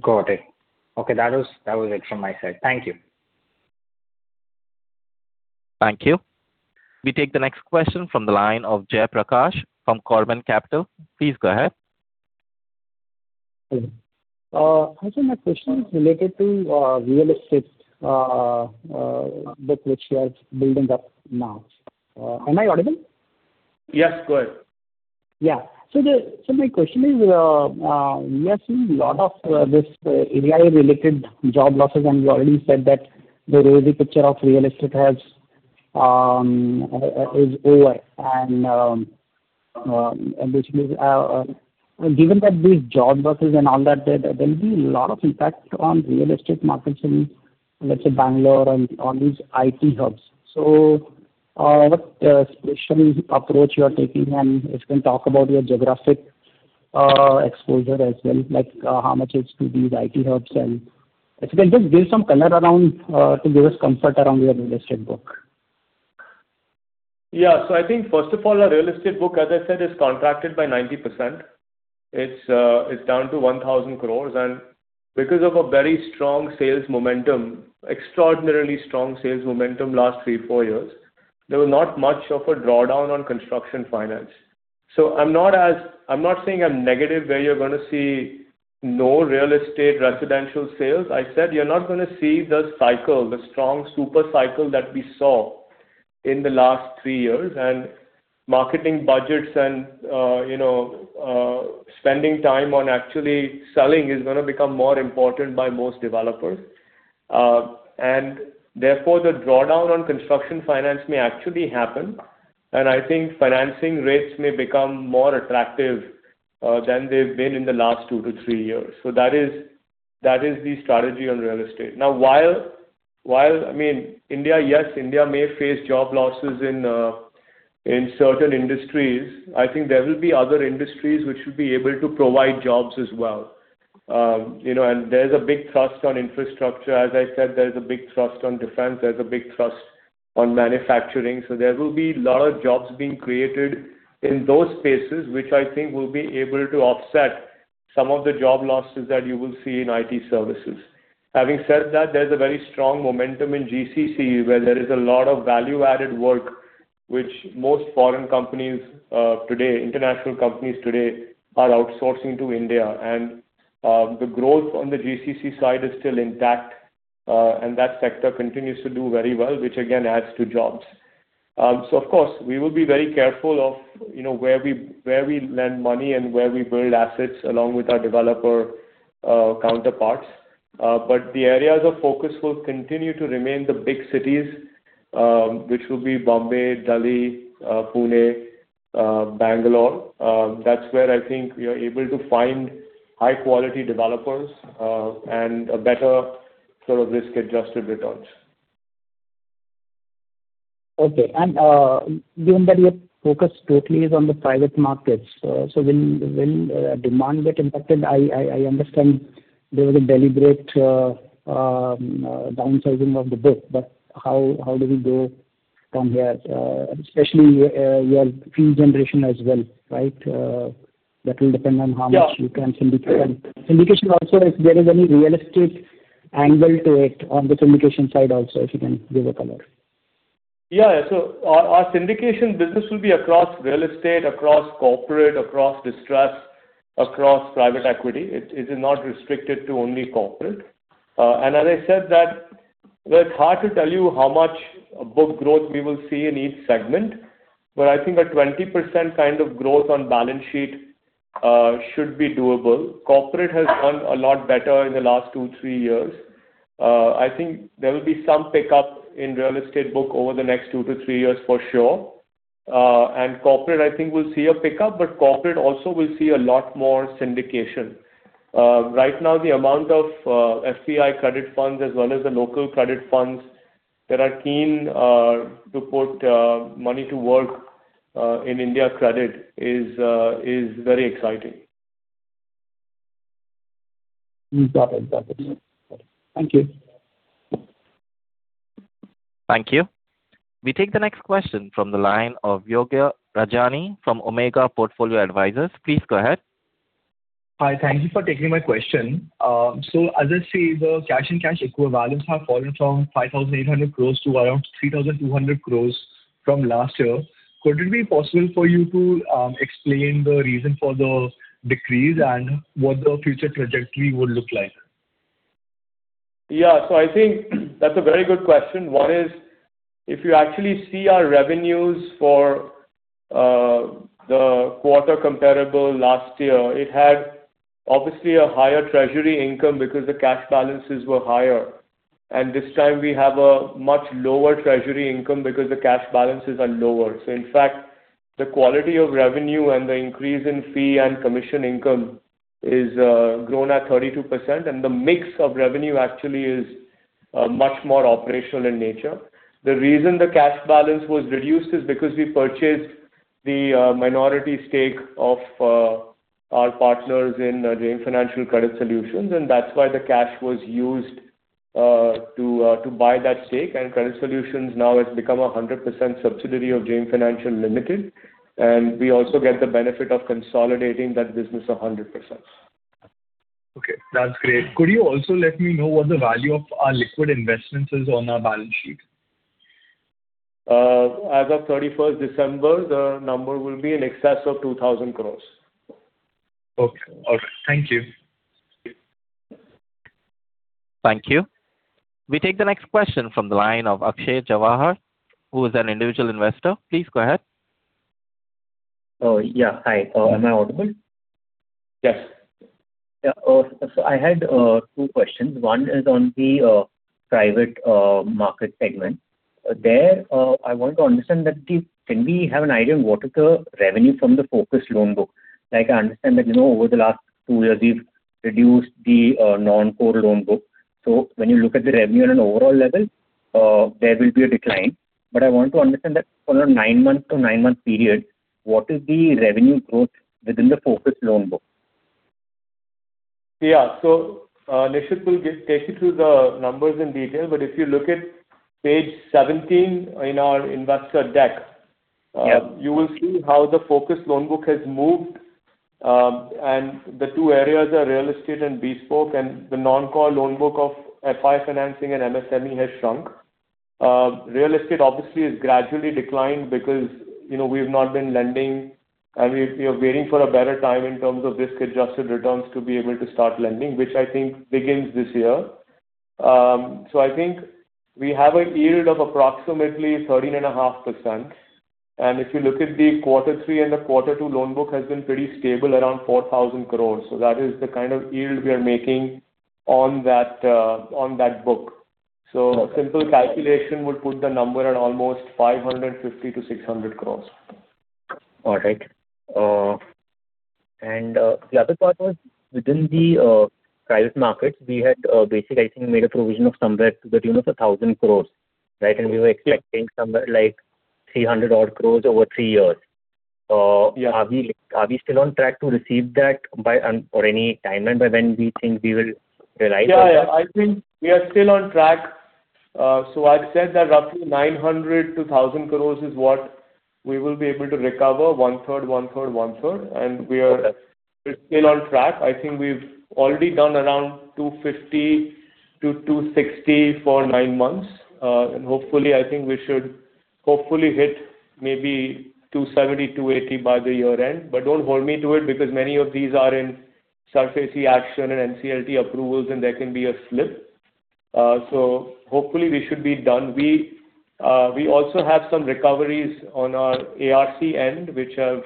Got it. Okay. That was it from my side. Thank you. Thank you. We take the next question from the line of Jaiprakash from Korman Capital. Please go ahead. Actually, my question is related to real estate book, which he is building up now. Am I audible? Yes. Go ahead. Yeah. So my question is, we are seeing a lot of these AI-related job losses. And we already said that the rosy picture of real estate is over. And basically, given that these job losses and all that, there will be a lot of impact on real estate markets in, let's say, Bangalore and all these IT hubs. So what special approach you are taking? And if you can talk about your geographic exposure as well, how much is to these IT hubs? And if you can just give some color around to give us comfort around your real estate book. Yeah. So I think, first of all, our real estate book, as I said, is contracted by 90%. It's down to 1,000 crore. And because of a very strong sales momentum, extraordinarily strong sales momentum last three, four years, there was not much of a drawdown on construction finance. So I'm not saying I'm negative where you're going to see no real estate residential sales. I said you're not going to see the cycle, the strong super cycle that we saw in the last three years. And marketing budgets and spending time on actually selling is going to become more important by most developers. And therefore, the drawdown on construction finance may actually happen. And I think financing rates may become more attractive than they've been in the last two to three years. So that is the strategy on real estate. Now, I mean, yes, India may face job losses in certain industries. I think there will be other industries which will be able to provide jobs as well. There's a big thrust on infrastructure. As I said, there's a big thrust on defense. There's a big thrust on manufacturing. So there will be a lot of jobs being created in those spaces, which I think will be able to offset some of the job losses that you will see in IT services. Having said that, there's a very strong momentum in GCC where there is a lot of value-added work which most foreign companies today, international companies today, are outsourcing to India. The growth on the GCC side is still intact. That sector continues to do very well, which, again, adds to jobs. So, of course, we will be very careful of where we lend money and where we build assets along with our developer counterparts. But the areas of focus will continue to remain the big cities, which will be Bombay, Delhi, Pune, Bangalore. That's where I think we are able to find high-quality developers and a better sort of risk-adjusted returns. Okay. And given that your focus totally is on the private markets, so will demand get impacted? I understand there was a deliberate downsizing of the book. But how do we go from here, especially your fee generation as well, right? That will depend on how much you can syndicate. And syndication also, if there is any real estate angle to it on the syndication side also, if you can give a color. Yeah. So our syndication business will be across real estate, across corporate, across distressed, across private equity. It is not restricted to only corporate. And as I said that, well, it's hard to tell you how much book growth we will see in each segment. But I think a 20% kind of growth on balance sheet should be doable. Corporate has done a lot better in the last two, three years. I think there will be some pickup in real estate book over the next two to three years for sure. And corporate, I think, will see a pickup. But corporate also will see a lot more syndication. Right now, the amount of FPI credit funds as well as the local credit funds that are keen to put money to work in Indian credit is very exciting. Got it. Got it. Got it. Thank you. Thank you. We take the next question from the line of Yogya Rajani from Omega Portfolio Advisors. Please go ahead. Hi. Thank you for taking my question. So as I see, the cash and cash equivalents have fallen from 5,800 crore to around 3,200 crore from last year. Could it be possible for you to explain the reason for the decrease and what the future trajectory would look like? Yeah. So I think that's a very good question. One is, if you actually see our revenues for the quarter comparable last year, it had obviously a higher treasury income because the cash balances were higher. And this time, we have a much lower treasury income because the cash balances are lower. So, in fact, the quality of revenue and the increase in fee and commission income has grown at 32%. And the mix of revenue actually is much more operational in nature. The reason the cash balance was reduced is because we purchased the minority stake of our partners in JM Financial Credit Solutions. And that's why the cash was used to buy that stake. And Credit Solutions now has become a 100% subsidiary of JM Financial Ltd. And we also get the benefit of consolidating that business 100%. Okay. That's great. Could you also let me know what the value of our liquid investments is on our balance sheet? As of 31st December, the number will be in excess of 2,000 crore. Okay. All right. Thank you. Thank you. We take the next question from the line of Akshay Jawahar, who is an individual investor. Please go ahead. Yeah. Hi. Am I audible? Yes. Yeah. So I had two questions. One is on the Private Market segment. There, I want to understand that can we have an idea on what is the revenue from the focused loan book? I understand that over the last two years, we've reduced the non-core loan book. So when you look at the revenue on an overall level, there will be a decline. But I want to understand that for a nine-month to nine-month period, what is the revenue growth within the focused loan book? Yeah. So Nishit will take you through the numbers in detail. But if you look at page 17 in our investor deck, you will see how the focused loan book has moved. And the two areas are real estate and bespoke. And the non-core loan book of FI financing and MSME has shrunk. Real estate, obviously, has gradually declined because we have not been lending. And we are waiting for a better time in terms of risk-adjusted returns to be able to start lending, which I think begins this year. So I think we have a yield of approximately 13.5%. And if you look at the quarter three and the quarter two, loan book has been pretty stable, around 4,000 crore. So that is the kind of yield we are making on that book. Simple calculation would put the number at almost 550 crore-600 crore. All right. And the other part was, within the private markets, we had basically, I think, made a provision of somewhere to the tune of 1,000 crore, right? And we were expecting somewhere like 300-odd crore over three years. Are we still on track to receive that or any timeline by when we think we will realize all that? Yeah. Yeah. I think we are still on track. So I've said that roughly 900 crore-1,000 crore is what we will be able to recover, one-third, one-third, one-third. And we are still on track. I think we've already done around 250 crore-260 crore for nine months. And hopefully, I think we should hopefully hit maybe 270 crore-280 crore by the year-end. But don't hold me to it because many of these are in SARFAESI action and NCLT approvals. And there can be a slip. So hopefully, we should be done. We also have some recoveries on our ARC end, which have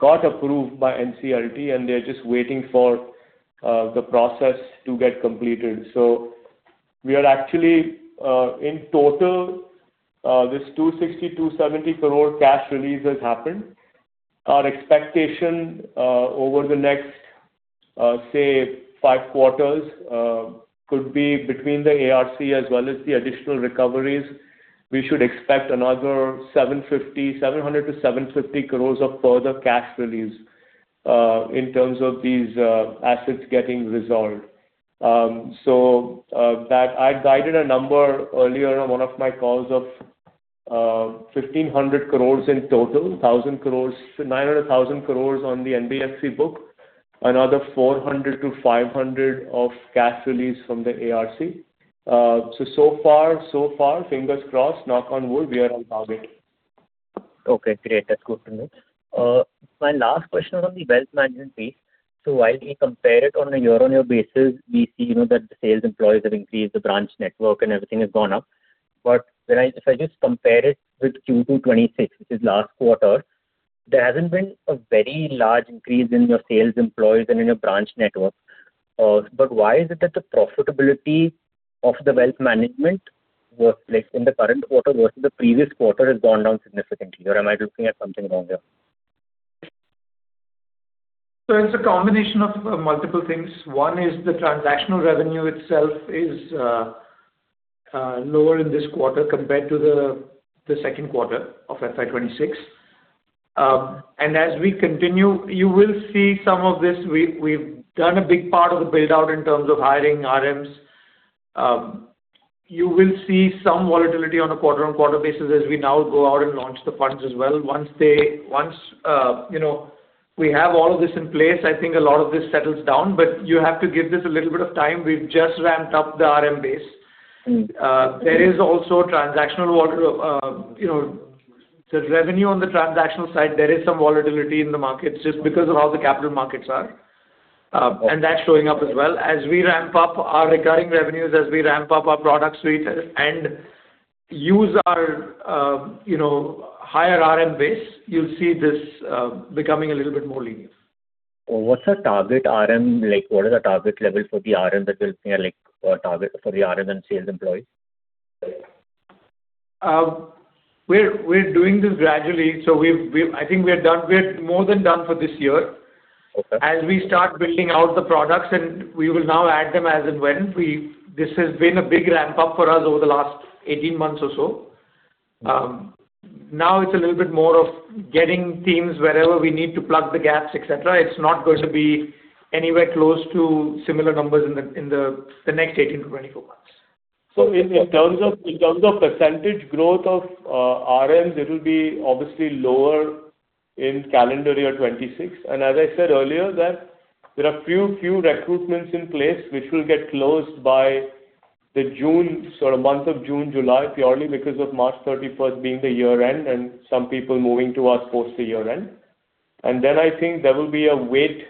got approved by NCLT. And they're just waiting for the process to get completed. So we are actually, in total, this 260 crore-270 crore cash release has happened. Our expectation over the next, say, five quarters could be between the ARC as well as the additional recoveries. We should expect another 750, 700 crore-750 crore of further cash release in terms of these assets getting resolved. So I had guided a number earlier on one of my calls of 1,500 crore in total, 900 crore-1,000 crore on the NBFC book, another 400 crore-500 crore of cash release from the ARC. So far, so far, fingers crossed, knock on wood, we are on target. Okay. Great. That's good to know. My last question was on the Wealth Management piece. So while we compare it on a year-on-year basis, we see that the sales employees have increased, the branch network, and everything has gone up. But if I just compare it with Q2 2026, which is last quarter, there hasn't been a very large increase in your sales employees and in your branch network. But why is it that the profitability of the Wealth Management in the current quarter versus the previous quarter has gone down significantly? Or am I looking at something wrong here? So it's a combination of multiple things. One is the transactional revenue itself is lower in this quarter compared to the second quarter of FY 2026. And as we continue, you will see some of this. We've done a big part of the buildout in terms of hiring RMs. You will see some volatility on a quarter-on-quarter basis as we now go out and launch the funds as well. Once we have all of this in place, I think a lot of this settles down. But you have to give this a little bit of time. We've just ramped up the RM base. There is also transactional revenue on the transactional side. There is some volatility in the markets just because of how the capital markets are. And that's showing up as well. As we ramp up our recurring revenues, as we ramp up our product suite and use our higher RM base, you'll see this becoming a little bit more linear. What's a target RM? What is a target level for the RM that you're looking at for the RM and sales employees? We're doing this gradually. So I think we are more than done for this year as we start building out the products. And we will now add them as and when. This has been a big ramp-up for us over the last 18 months or so. Now, it's a little bit more of getting teams wherever we need to plug the gaps, etc. It's not going to be anywhere close to similar numbers in the next 18-24 months. In terms of percentage growth of RMs, it will be obviously lower in calendar year 2026. And as I said earlier, there are few recruitments in place which will get closed by the month of June, July purely because of March 31st being the year-end and some people moving to us post the year-end. And then I think there will be a wait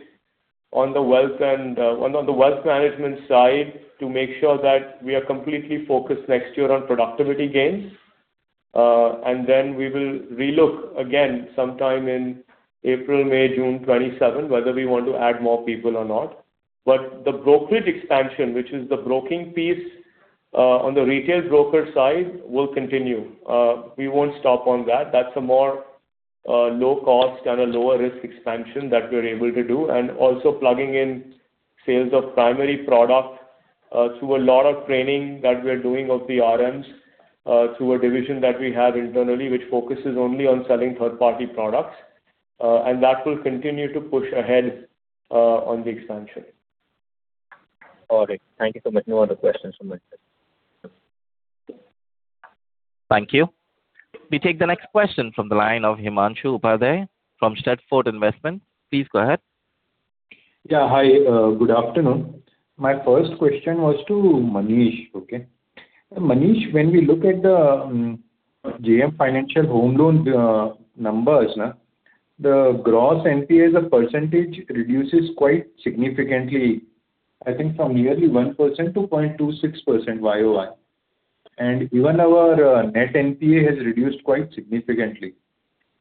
on the wealth and on the Wealth Management side to make sure that we are completely focused next year on productivity gains. And then we will relook again sometime in April, May, June 2027 whether we want to add more people or not. But the brokerage expansion, which is the broking piece on the retail broker side, will continue. We won't stop on that. That's a more low-cost and a lower-risk expansion that we're able to do and also plugging in sales of primary product through a lot of training that we're doing of the RMs through a division that we have internally which focuses only on selling third-party products. And that will continue to push ahead on the expansion. All right. Thank you so much. No other questions from my side. Thank you. We take the next question from the line of Himanshu Upadhyay from Steadfort Investment. Please go ahead. Yeah. Hi. Good afternoon. My first question was to Manish, okay? Manish, when we look at the JM Financial Home Loans numbers, the gross NPA as a percentage reduces quite significantly, I think, from nearly 1% to 0.26% YoY. And even our net NPA has reduced quite significantly.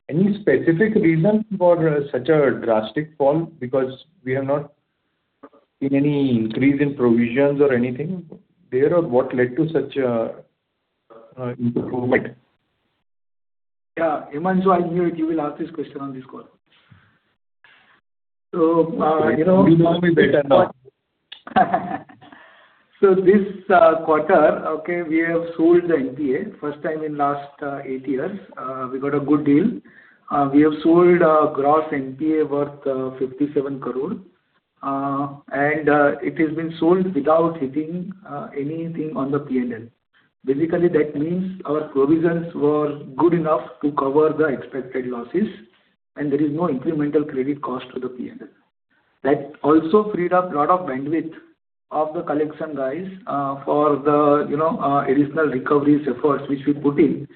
Any specific reason for such a drastic fall? Because we have not seen any increase in provisions or anything there. What led to such an improvement? Yeah. Himanshu, I hear you will ask this question on this call. So you know. You know me better now. So this quarter, okay, we have sold the NPA first time in last eight years. We got a good deal. We have sold gross NPA worth 57 crore. And it has been sold without hitting anything on the P&L. Basically, that means our provisions were good enough to cover the expected losses. And there is no incremental credit cost to the P&L. That also freed up a lot of bandwidth of the collection guys for the additional recoveries efforts which we put in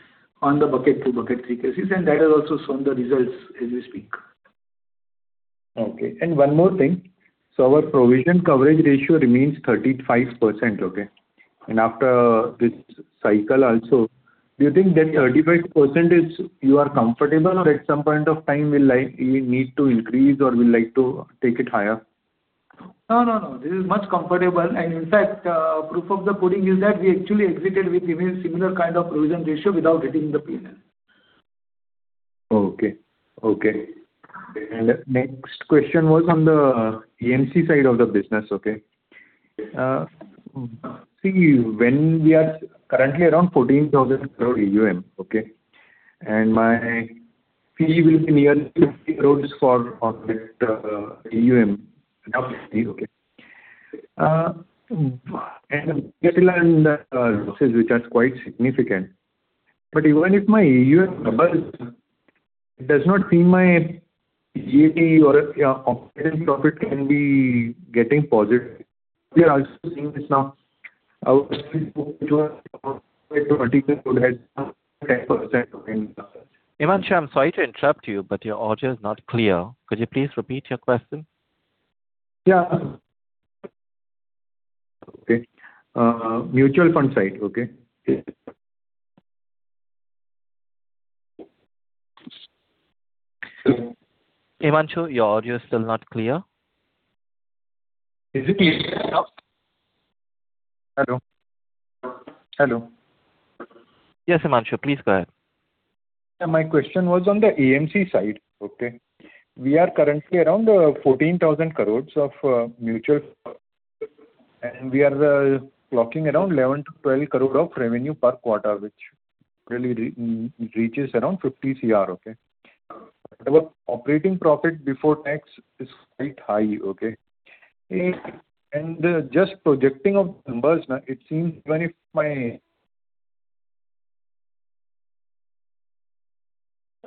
on the bucket two, bucket three cases. And that has also shown the results as we speak. Okay. One more thing. Our provision coverage ratio remains 35%, okay? After this cycle also, do you think that 35%, you are comfortable? Or at some point of time, we'll need to increase or we'll like to take it higher? No, no, no. This is much more comfortable. In fact, proof of the pudding is that we actually exited with a similar kind of provision ratio without hitting the P&L. Okay. Okay. And next question was on the AMC side of the business, okay? See, when we are currently around 14,000 crore AUM, okay? And my fee will be nearly 50 crore for AUM, enough fee, okay? And I'm still on the losses, which are quite significant. But even if my AUM doubles, it does not seem my PAT or operating profit can be getting positive. We are also seeing this now. Our sales book to an AUM ratio would have 10%. Himanshu, I'm sorry to interrupt you, but your audio is not clear. Could you please repeat your question? Yeah. Okay. Mutual fund side, okay? Himanshu, your audio is still not clear. Is it clear? Hello. Hello. Yes, Himanshu, please go ahead. Yeah. My question was on the AMC side, okay? We are currently around 14,000 crore of mutual. And we are clocking around 11 crore-12 crore of revenue per quarter, which really reaches around 50 crore, okay? But our operating profit before tax is quite high, okay? And just projecting of numbers, it seems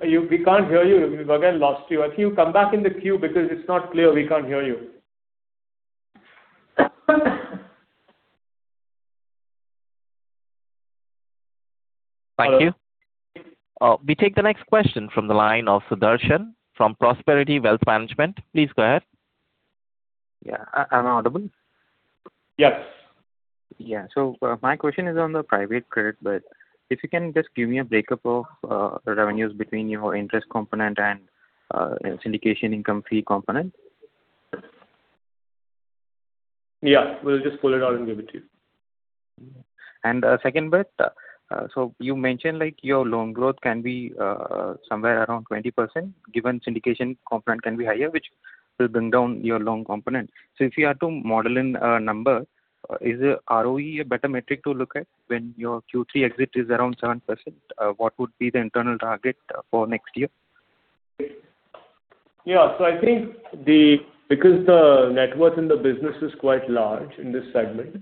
even if my. We can't hear you. Again, lost you. I think you come back in the queue because it's not clear. We can't hear you. Thank you. We take the next question from the line of Sudarshan from Prosperity Wealth Management. Please go ahead. Yeah. I'm audible? Yes. Yeah. So my question is on the private credit. But if you can just give me a break-up of revenues between your interest component and syndication income fee component. Yeah. We'll just pull it out and give it to you. A second bit. You mentioned your loan growth can be somewhere around 20% given syndication component can be higher, which will bring down your loan component. If you are to model in a number, is ROE a better metric to look at when your Q3 exit is around 7%? What would be the internal target for next year? Yeah. So I think because the net worth in the business is quite large in this segment,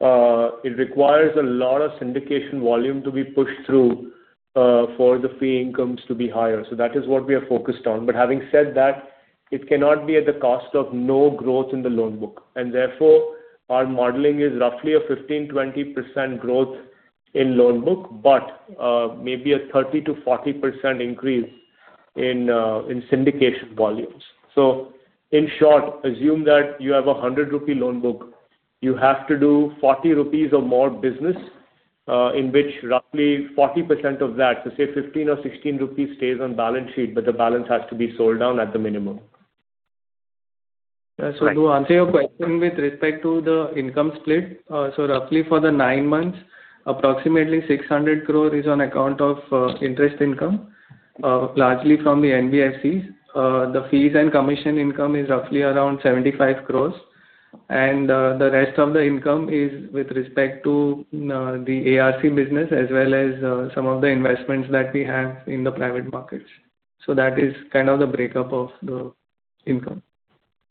it requires a lot of syndication volume to be pushed through for the fee incomes to be higher. So that is what we are focused on. But having said that, it cannot be at the cost of no growth in the loan book. And therefore, our modeling is roughly a 15%-20% growth in loan book but maybe a 30%-40% increase in syndication volumes. So in short, assume that you have a 100 rupee loan book. You have to do 40 rupees or more business in which roughly 40% of that, so say 15 or 16 rupees stays on balance sheet, but the balance has to be sold down at the minimum. Yeah. So to answer your question with respect to the income split, so roughly for the nine months, approximately 600 crore is on account of interest income, largely from the NBFCs. The fees and commission income is roughly around 75 crore. And the rest of the income is with respect to the ARC business as well as some of the investments that we have in the private markets. So that is kind of the breakup of the income.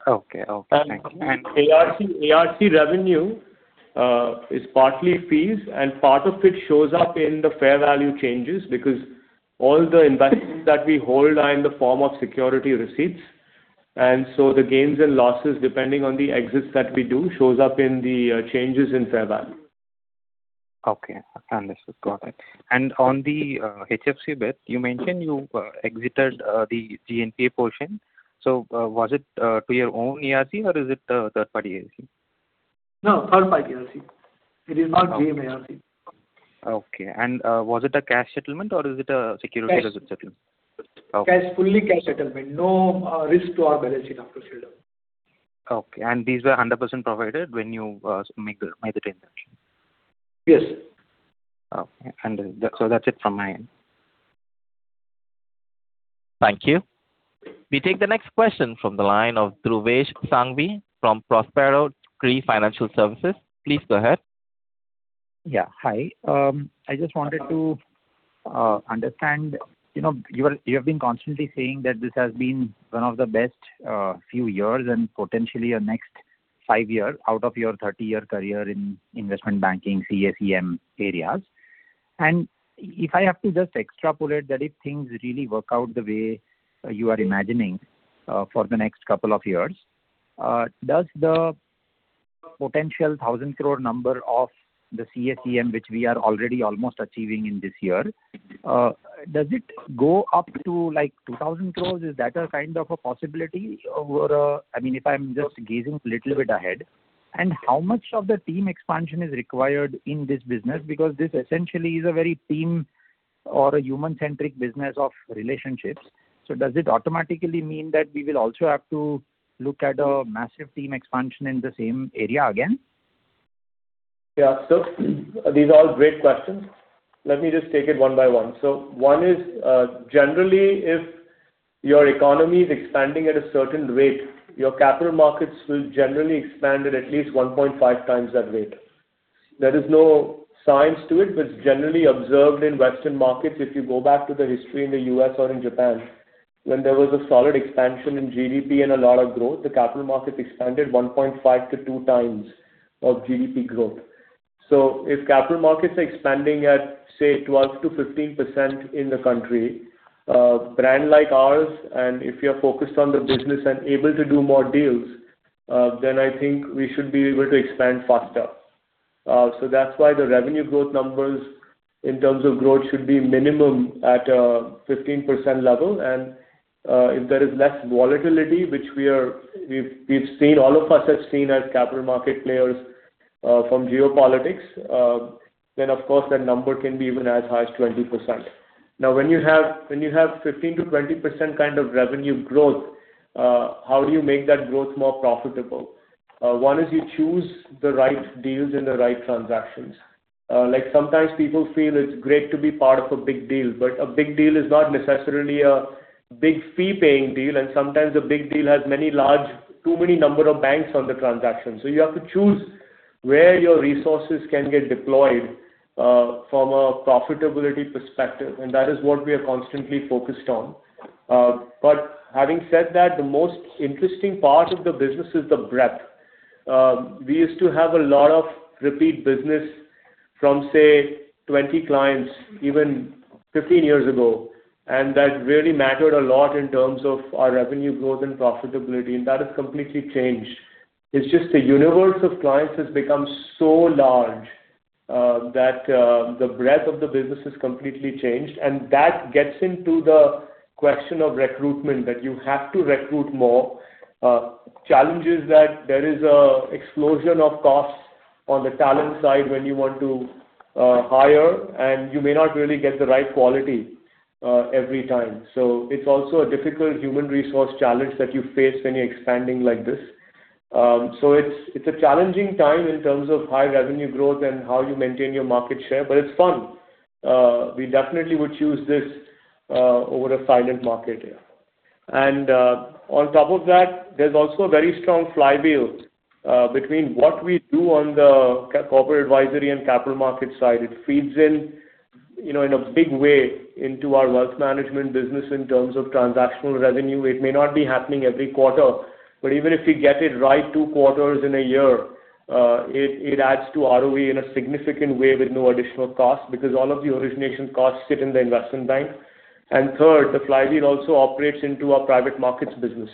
Okay. Okay. Thank you. And ARC revenue is partly fees. And part of it shows up in the fair value changes because all the investments that we hold are in the form of security receipts. And so the gains and losses depending on the exits that we do show up in the changes in fair value. Okay. I understood. Got it. And on the HFC bit, you mentioned you exited the GNPA portion. So was it to your own ARC, or is it third-party ARC? No. Third-party ARC. It is not JM ARC. Okay. And was it a cash settlement, or is it a security receipt settlement? Yes. Fully cash settlement. No risk to our balance sheet after sale to them. Okay. And these were 100% provided when you made the transaction? Yes. Okay. So that's it from my end. Thank you. We take the next question from the line of Dhruvesh Sanghvi from Prospero Tree Financial Services. Please go ahead. Yeah. Hi. I just wanted to understand. You have been constantly saying that this has been one of the best few years and potentially your next five years out of your 30-year career in investment banking, CACM areas. And if I have to just extrapolate that if things really work out the way you are imagining for the next couple of years, does the potential 1,000 crore number of the CACM, which we are already almost achieving in this year, does it go up to 2,000 crore? Is that a kind of a possibility? I mean, if I'm just gazing a little bit ahead. And how much of the team expansion is required in this business? Because this essentially is a very team or a human-centric business of relationships. So does it automatically mean that we will also have to look at a massive team expansion in the same area again? Yeah. So these are all great questions. Let me just take it one by one. So one is, generally, if your economy is expanding at a certain rate, your capital markets will generally expand at at least 1.5x that rate. There is no science to it, but it's generally observed in Western markets. If you go back to the history in the U.S. or in Japan, when there was a solid expansion in GDP and a lot of growth, the capital markets expanded 1.5x-2x of GDP growth. So if capital markets are expanding at, say, 12%-15% in the country, a brand like ours and if you're focused on the business and able to do more deals, then I think we should be able to expand faster. So that's why the revenue growth numbers in terms of growth should be minimum at a 15% level. And if there is less volatility, which we've seen all of us have seen as capital market players from geopolitics, then, of course, that number can be even as high as 20%. Now, when you have 15%-20% kind of revenue growth, how do you make that growth more profitable? One is you choose the right deals and the right transactions. Sometimes people feel it's great to be part of a big deal, but a big deal is not necessarily a big fee-paying deal. And sometimes a big deal has too many number of banks on the transaction. So you have to choose where your resources can get deployed from a profitability perspective. And that is what we are constantly focused on. But having said that, the most interesting part of the business is the breadth. We used to have a lot of repeat business from, say, 20 clients even 15 years ago. And that really mattered a lot in terms of our revenue growth and profitability. And that has completely changed. It's just the universe of clients has become so large that the breadth of the business has completely changed. And that gets into the question of recruitment, that you have to recruit more, challenges that there is an explosion of costs on the talent side when you want to hire. And you may not really get the right quality every time. So it's also a difficult human resource challenge that you face when you're expanding like this. So it's a challenging time in terms of high revenue growth and how you maintain your market share. But it's fun. We definitely would choose this over a silent market here. On top of that, there's also a very strong flywheel between what we do on the Corporate Advisory and Capital Market side. It feeds in, in a big way, into our Wealth Management business in terms of transactional revenue. It may not be happening every quarter. But even if we get it right two quarters in a year, it adds to ROE in a significant way with no additional cost because all of the origination costs sit in the investment bank. Third, the flywheel also operates into our Private Markets business.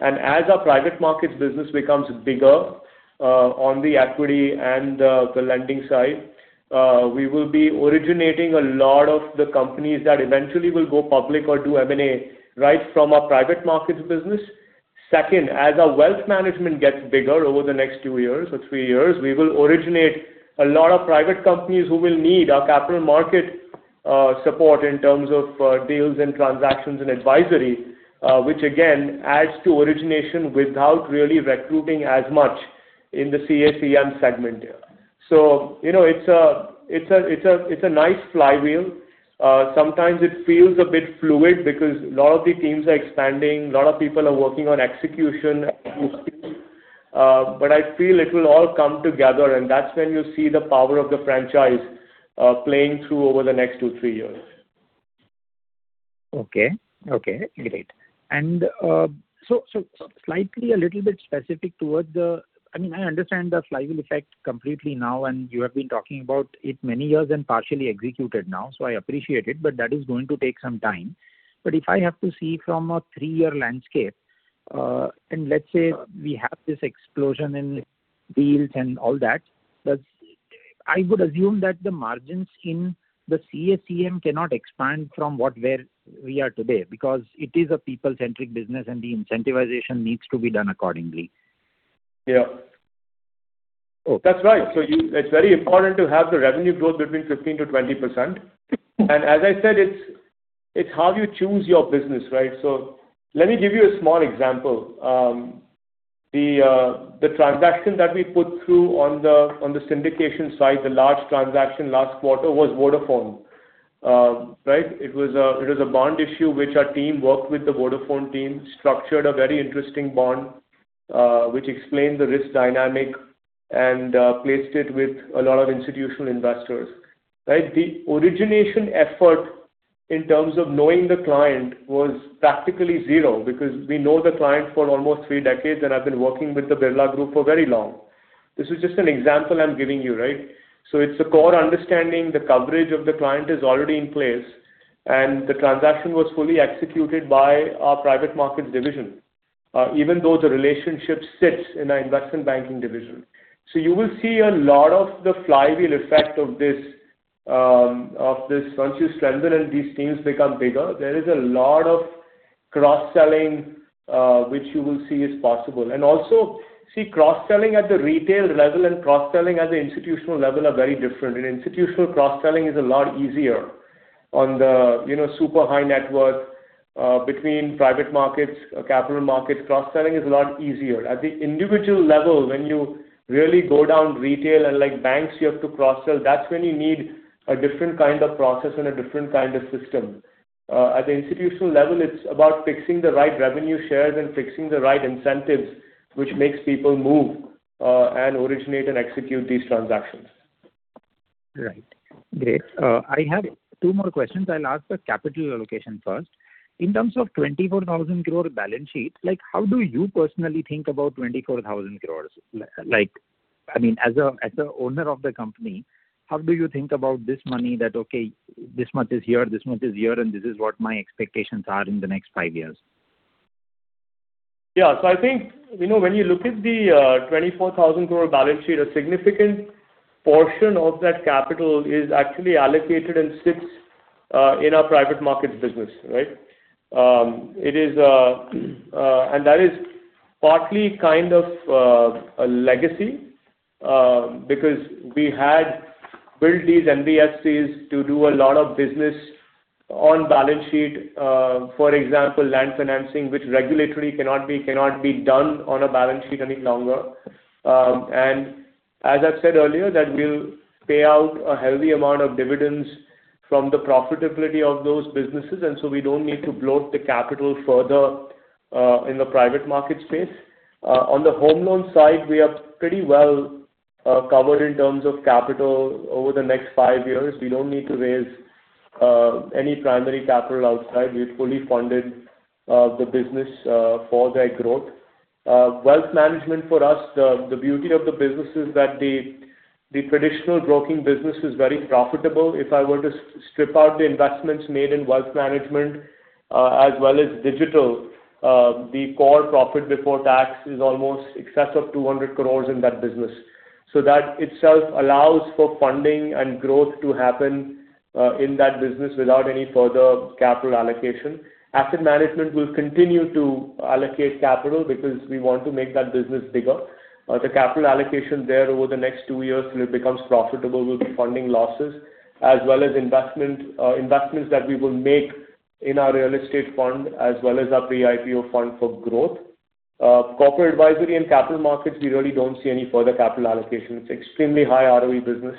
As our Private Markets business becomes bigger on the equity and the lending side, we will be originating a lot of the companies that eventually will go public or do M&A right from our Private Markets business. Second, as our Wealth Management gets bigger over the next two years or three years, we will originate a lot of private companies who will need our capital market support in terms of deals and transactions and advisory, which, again, adds to origination without really recruiting as much in the CACM segment here. So it's a nice flywheel. Sometimes it feels a bit fluid because a lot of the teams are expanding. A lot of people are working on execution and new skills. But I feel it will all come together. And that's when you see the power of the franchise playing through over the next two, three years. Okay. Okay. Great. And so, slightly a little bit specific towards the—I mean, I understand the flywheel effect completely now. And you have been talking about it many years and partially executed now. So I appreciate it. But that is going to take some time. But if I have to see from a three-year landscape and let's say we have this explosion in deals and all that, I would assume that the margins in the CACM cannot expand from where we are today because it is a people-centric business. And the incentivization needs to be done accordingly. Yeah. That's right. So it's very important to have the revenue growth between 15%-20%. And as I said, it's how you choose your business, right? So let me give you a small example. The transaction that we put through on the syndication side, the large transaction last quarter, was Vodafone, right? It was a bond issue, which our team worked with the Vodafone team, structured a very interesting bond, which explained the risk dynamic, and placed it with a lot of institutional investors, right? The origination effort in terms of knowing the client was practically zero because we know the client for almost three decades. And I've been working with the Birla Group for very long. This is just an example I'm giving you, right? So it's a core understanding. The coverage of the client is already in place. The transaction was fully executed by our Private Markets division even though the relationship sits in our investment banking division. So you will see a lot of the flywheel effect of this. Once you strengthen and these teams become bigger, there is a lot of cross-selling, which you will see is possible. And also, see, cross-selling at the retail level and cross-selling at the institutional level are very different. And institutional cross-selling is a lot easier on the super high net worth between private markets, capital markets. Cross-selling is a lot easier. At the individual level, when you really go down retail and banks, you have to cross-sell, that's when you need a different kind of process and a different kind of system. At the institutional level, it's about fixing the right revenue shares and fixing the right incentives, which makes people move and originate and execute these transactions. Right. Great. I have two more questions. I'll ask the capital allocation first. In terms of 24,000 crore balance sheet, how do you personally think about 24,000 crore? I mean, as an owner of the company, how do you think about this money that, "Okay. This much is here. This much is here. And this is what my expectations are in the next five years"? Yeah. So I think when you look at the 24,000 crore balance sheet, a significant portion of that capital is actually allocated and sits in our Private Markets business, right? And that is partly kind of a legacy because we had built these NBFCs to do a lot of business on balance sheet, for example, land financing, which regulatory cannot be done on a balance sheet any longer. And as I've said earlier, that will pay out a healthy amount of dividends from the profitability of those businesses. And so we don't need to bloat the capital further in the private market space. On the home loan side, we are pretty well covered in terms of capital over the next five years. We don't need to raise any primary capital outside. We've fully funded the business for that growth. Wealth management for us, the beauty of the business is that the traditional broking business is very profitable. If I were to strip out the investments made in Wealth Management as well as digital, the core profit before tax is almost excess of 200 crore in that business. So that itself allows for funding and growth to happen in that business without any further capital allocation. Asset management will continue to allocate capital because we want to make that business bigger. The capital allocation there over the next two years, if it becomes profitable, will be funding losses as well as investments that we will make in our real estate fund as well as our pre-IPO fund for growth. Corporate Advisory and Capital Markets, we really don't see any further capital allocation. It's an extremely high ROE business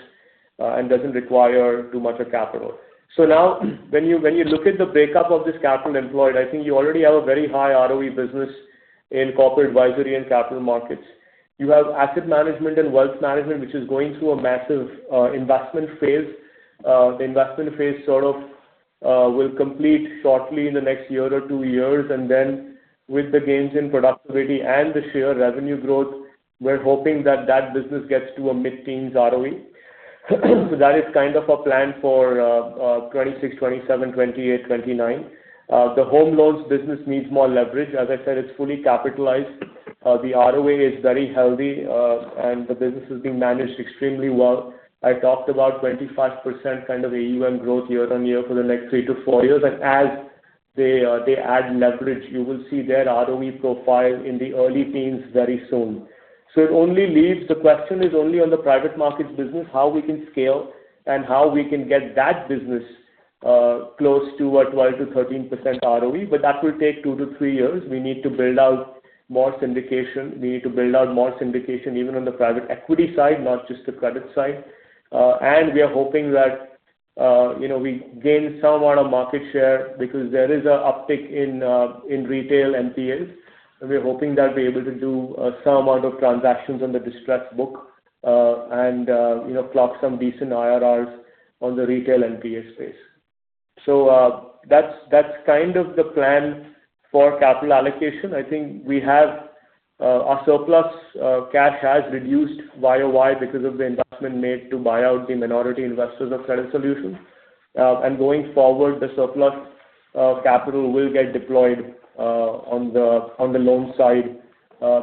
and doesn't require too much of capital. So now, when you look at the breakup of this capital employed, I think you already have a very high ROE business in Corporate Advisory and Capital Markets. You have Asset Management and Wealth Management, which is going through a massive investment phase. The investment phase sort of will complete shortly in the next year or two years. And then with the gains in productivity and the sheer revenue growth, we're hoping that that business gets to a mid-teens ROE. So that is kind of a plan for 2026, 2027, 2028, 2029. The home loans business needs more leverage. As I said, it's fully capitalized. The ROE is very healthy. And the business is being managed extremely well. I talked about 25% kind of AUM growth year-over-year for the next three to four years. As they add leverage, you will see their ROE profile in the early teens very soon. It only leaves the question is only on the Private Markets business how we can scale and how we can get that business close to a 12%-13% ROE. That will take 2-3 years. We need to build out more syndication. We need to build out more syndication even on the private equity side, not just the credit side. We are hoping that we gain some amount of market share because there is an uptick in retail NPAs. We're hoping that we're able to do some amount of transactions on the distressed book and clock some decent IRRs on the retail NPA space. That's kind of the plan for capital allocation. I think our surplus cash has reduced year on year because of the investment made to buy out the minority investors of Credit Solutions. Going forward, the surplus capital will get deployed on the loan side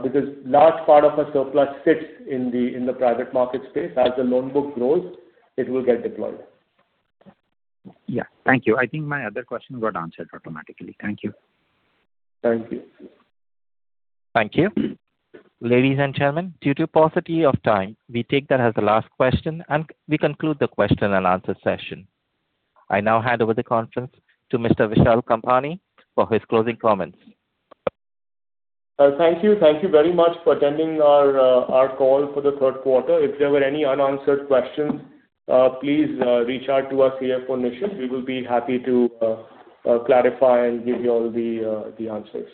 because a large part of our surplus sits in the private market space. As the loan book grows, it will get deployed. Yeah. Thank you. I think my other question got answered automatically. Thank you. Thank you. Thank you. Ladies and gentlemen, due to paucity of time, we take that as the last question. We conclude the question-and-answer session. I now hand over the conference to Mr. Vishal Kampani for his closing comments. Thank you. Thank you very much for attending our call for the third quarter. If there were any unanswered questions, please reach out to us here for Nishit. We will be happy to clarify and give you all the answers.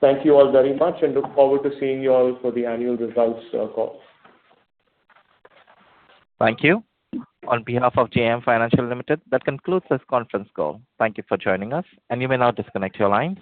Thank you all very much. Look forward to seeing you all for the annual results call. Thank you. On behalf of JM Financial Ltd, that concludes this conference call. Thank you for joining us. You may now disconnect your lines.